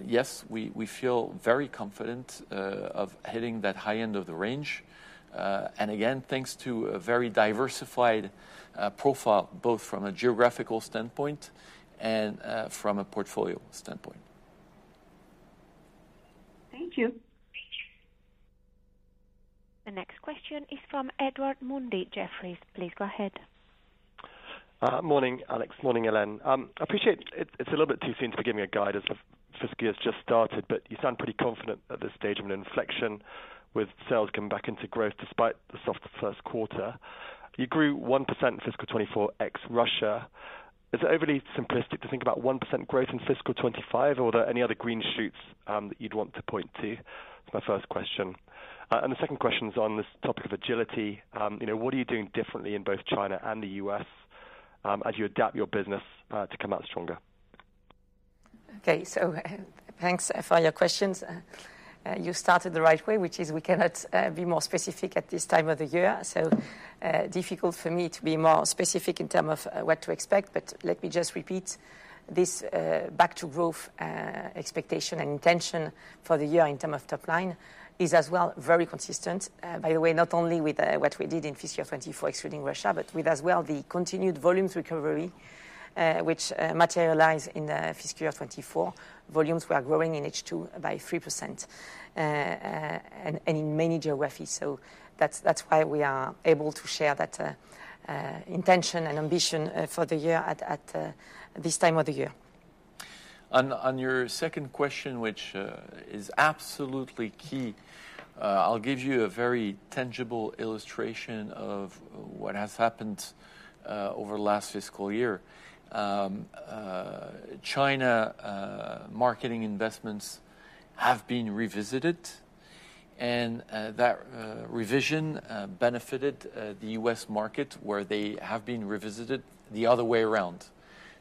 yes, we feel very confident of hitting that high end of the range. And again, thanks to a very diversified profile, both from a geographical standpoint and from a portfolio standpoint. Thank you. The next question is from Edward Mundy, Jefferies. Please go ahead. Morning, Alex. Morning, Hélène. I appreciate it. It's a little bit too soon to be giving a guide, as the fiscal year has just started, but you sound pretty confident at this stage of an inflection with sales coming back into growth despite the softer first quarter. You grew 1% in fiscal 2024, ex Russia. Is it overly simplistic to think about 1% growth in fiscal 2025, or are there any other green shoots, that you'd want to point to? That's my first question, and the second question is on this topic of agility. You know, what are you doing differently in both China and the U.S., as you adapt your business to come out stronger? Okay. So thanks for your questions. You started the right way, which is we cannot be more specific at this time of the year, so difficult for me to be more specific in terms of what to expect. But let me just repeat this back to growth expectation and intention for the year in terms of top line is as well very consistent. By the way, not only with what we did in fiscal 2024, excluding Russia, but with as well the continued volumes recovery which materialize in the fiscal year 2024. Volumes were growing in H2 by 3% and in many geographies. So that's why we are able to share that intention and ambition for the year at this time of the year. On your second question, which is absolutely key, I'll give you a very tangible illustration of what has happened over the last fiscal year. China marketing investments have been revisited, and that revision benefited the U.S. market, where they have been revisited the other way around.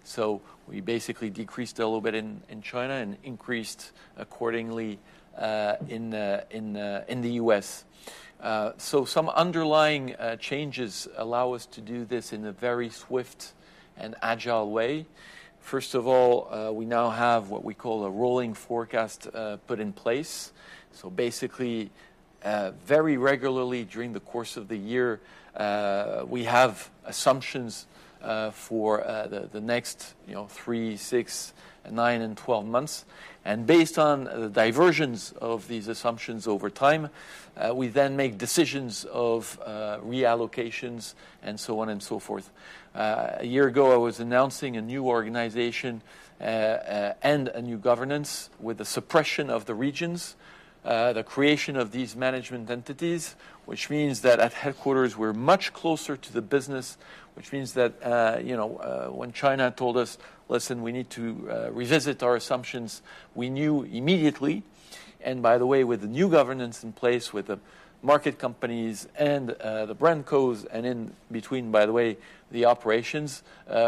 So we basically decreased a little bit in China and increased accordingly in the U.S. So some underlying changes allow us to do this in a very swift and agile way. First of all, we now have what we call a rolling forecast put in place. So basically, very regularly during the course of the year, we have assumptions for the next, you know, three, six, nine, and 12 months. And based on the deviations of these assumptions over time, we then make decisions of reallocations and so on and so forth. A year ago, I was announcing a new organization and a new governance with the suppression of the regions, the creation of these management entities, which means that at headquarters, we're much closer to the business, which means that, you know, when China told us, "Listen, we need to revisit our assumptions," we knew immediately. And by the way, with the new governance in place, with the market companies and the brand codes, and in between, by the way, the operations,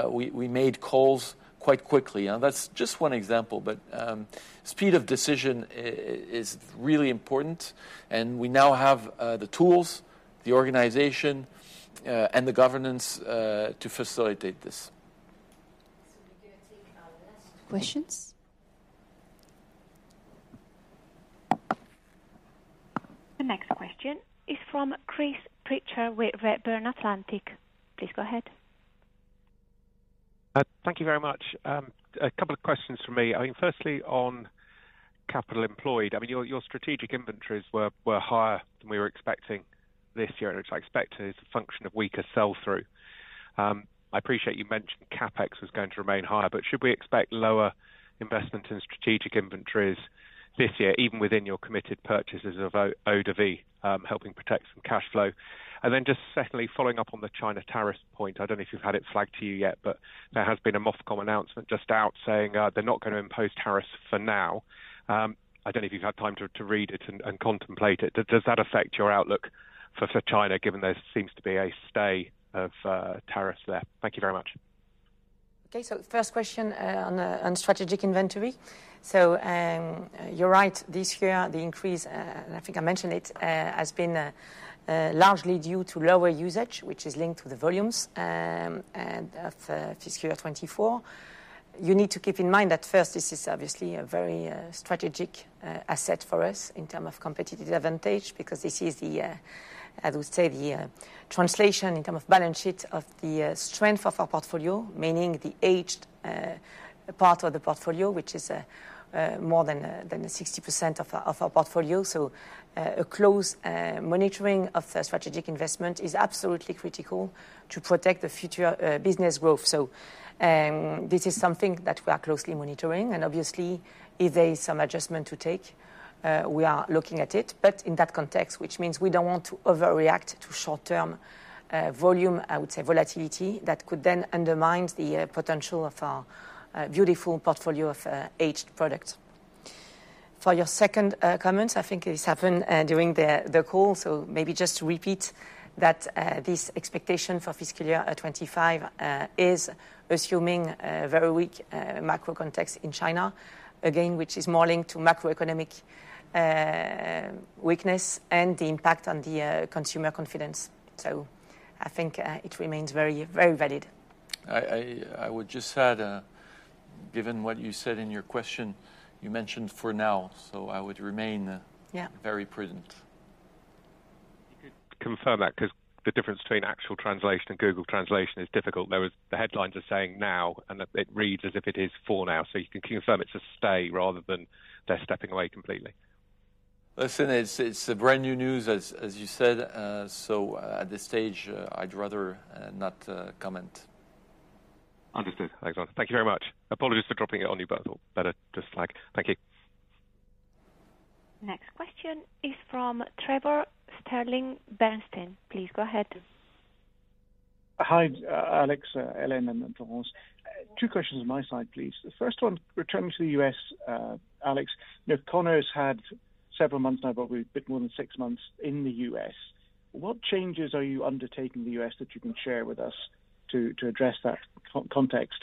we made calls quite quickly. That's just one example, but speed of decision is really important, and we now have the tools, the organization, and the governance to facilitate this. So we're going to take our last questions. The next question is from Chris Pitcher with Redburn Atlantic. Please go ahead. Thank you very much. A couple of questions from me. I mean, firstly, on capital employed, I mean, your strategic inventories were higher than we were expecting this year, which I expect is a function of weaker sell-through. I appreciate you mentioned CapEx was going to remain higher, but should we expect lower investment in strategic inventories this year, even within your committed purchases of eau-de-vie, helping protect some cash flow? And then just secondly, following up on the China tariff point, I don't know if you've had it flagged to you yet, but there has been a MOFCOM announcement just out saying, they're not gonna impose tariffs for now. I don't know if you've had time to read it and contemplate it. Does that affect your outlook for China, given there seems to be a stay of tariffs there? Thank you very much. Okay. First question on strategic inventory. You're right. This year, the increase and I think I mentioned it has been largely due to lower usage, which is linked to the volumes and of fiscal year 2024. You need to keep in mind that first, this is obviously a very strategic asset for us in term of competitive advantage, because this is the as we say the translation in term of balance sheet of the strength of our portfolio, meaning the aged part of the portfolio, which is more than 60% of our portfolio. A close monitoring of the strategic investment is absolutely critical to protect the future business growth. So, this is something that we are closely monitoring, and obviously, if there is some adjustment to take, we are looking at it. But in that context, which means we don't want to overreact to short-term volume, I would say volatility, that could then undermine the potential of our beautiful portfolio of aged products. For your second comment, I think it has happened during the call, so maybe just to repeat that, this expectation for fiscal year 2025 is assuming a very weak macro context in China, again, which is more linked to macroeconomic weakness and the impact on the consumer confidence. So I think it remains very, very valid. I would just add, given what you said in your question, you mentioned for now, so I would remain- Yeah... very prudent. You could confirm that, 'cause the difference between actual translation and Google translation is difficult. The headlines are saying now, and it reads as if it is for now. So you can confirm it's a stay rather than they're stepping away completely? Listen, it's a brand-new news, as you said. So at this stage, I'd rather not comment. Understood. Thank you very much. Apologies for dropping it on you, but I thought better to just flag. Thank you. Next question is from Trevor Stirling, Bernstein. Please go ahead. Hi, Alex, Hélène, and Florence. Two questions on my side, please. The first one, returning to the U,S., Alex, you know, Conor's had several months now, but we're a bit more than six months in the U.S. What changes are you undertaking in the U.S. that you can share with us to address that context?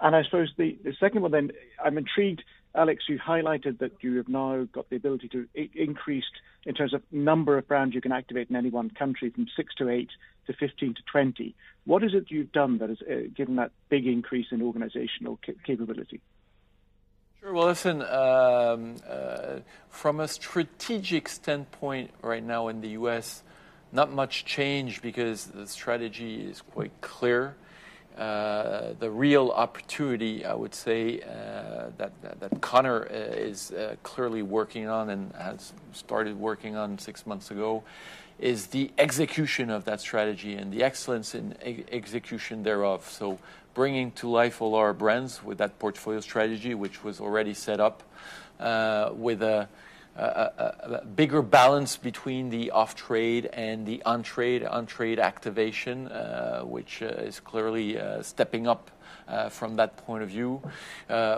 And I suppose the second one then, I'm intrigued, Alex, you highlighted that you have now got the ability to increase in terms of number of brands you can activate in any one country from 6-8 to 15-20. What is it you've done that has given that big increase in organizational capability? Sure. Well, listen, from a strategic standpoint right now in the U.S., not much change because the strategy is quite clear. The real opportunity, I would say, that Conor is clearly working on and has started working on six months ago, is the execution of that strategy and the excellence in execution thereof. So bringing to life all our brands with that portfolio strategy, which was already set up, with a bigger balance between the off-trade and the on-trade, on-trade activation, which is clearly stepping up from that point of view.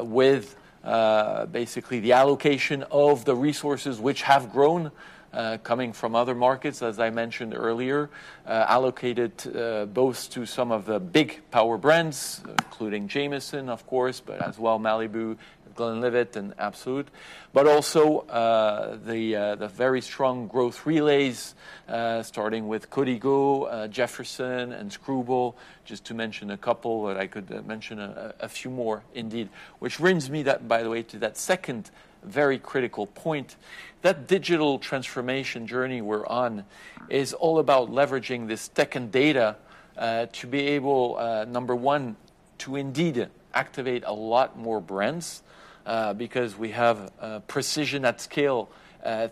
With basically the allocation of the resources which have grown, coming from other markets, as I mentioned earlier, allocated both to some of the big power brands, including Jameson, of course, but as well Malibu, The Glenlivet, and Absolut. But also, the very strong growth relays, starting with Codigo, Jefferson's, and Skrewball, just to mention a couple, but I could mention a few more indeed. Which brings me to that, by the way, second very critical point. That digital transformation journey we're on is all about leveraging this tech and data to be able, number one, to indeed activate a lot more brands, because we have precision at scale,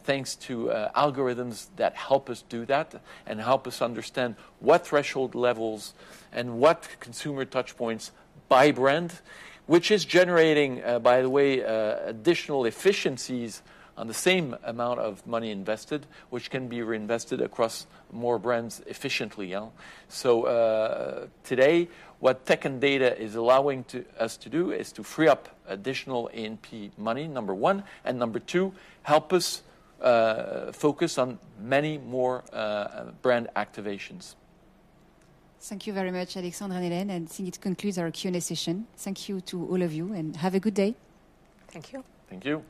thanks to algorithms that help us do that and help us understand what threshold levels and what consumer touch points by brand, which is generating, by the way, additional efficiencies on the same amount of money invested, which can be reinvested across more brands efficiently, yeah? Today, what tech and data is allowing us to do is to free up additional A&P money, number one, and number two, help us focus on many more brand activations. Thank you very much, Alexandre and Hélène, and I think it concludes our Q&A session. Thank you to all of you, and have a good day. Thank you. Thank you.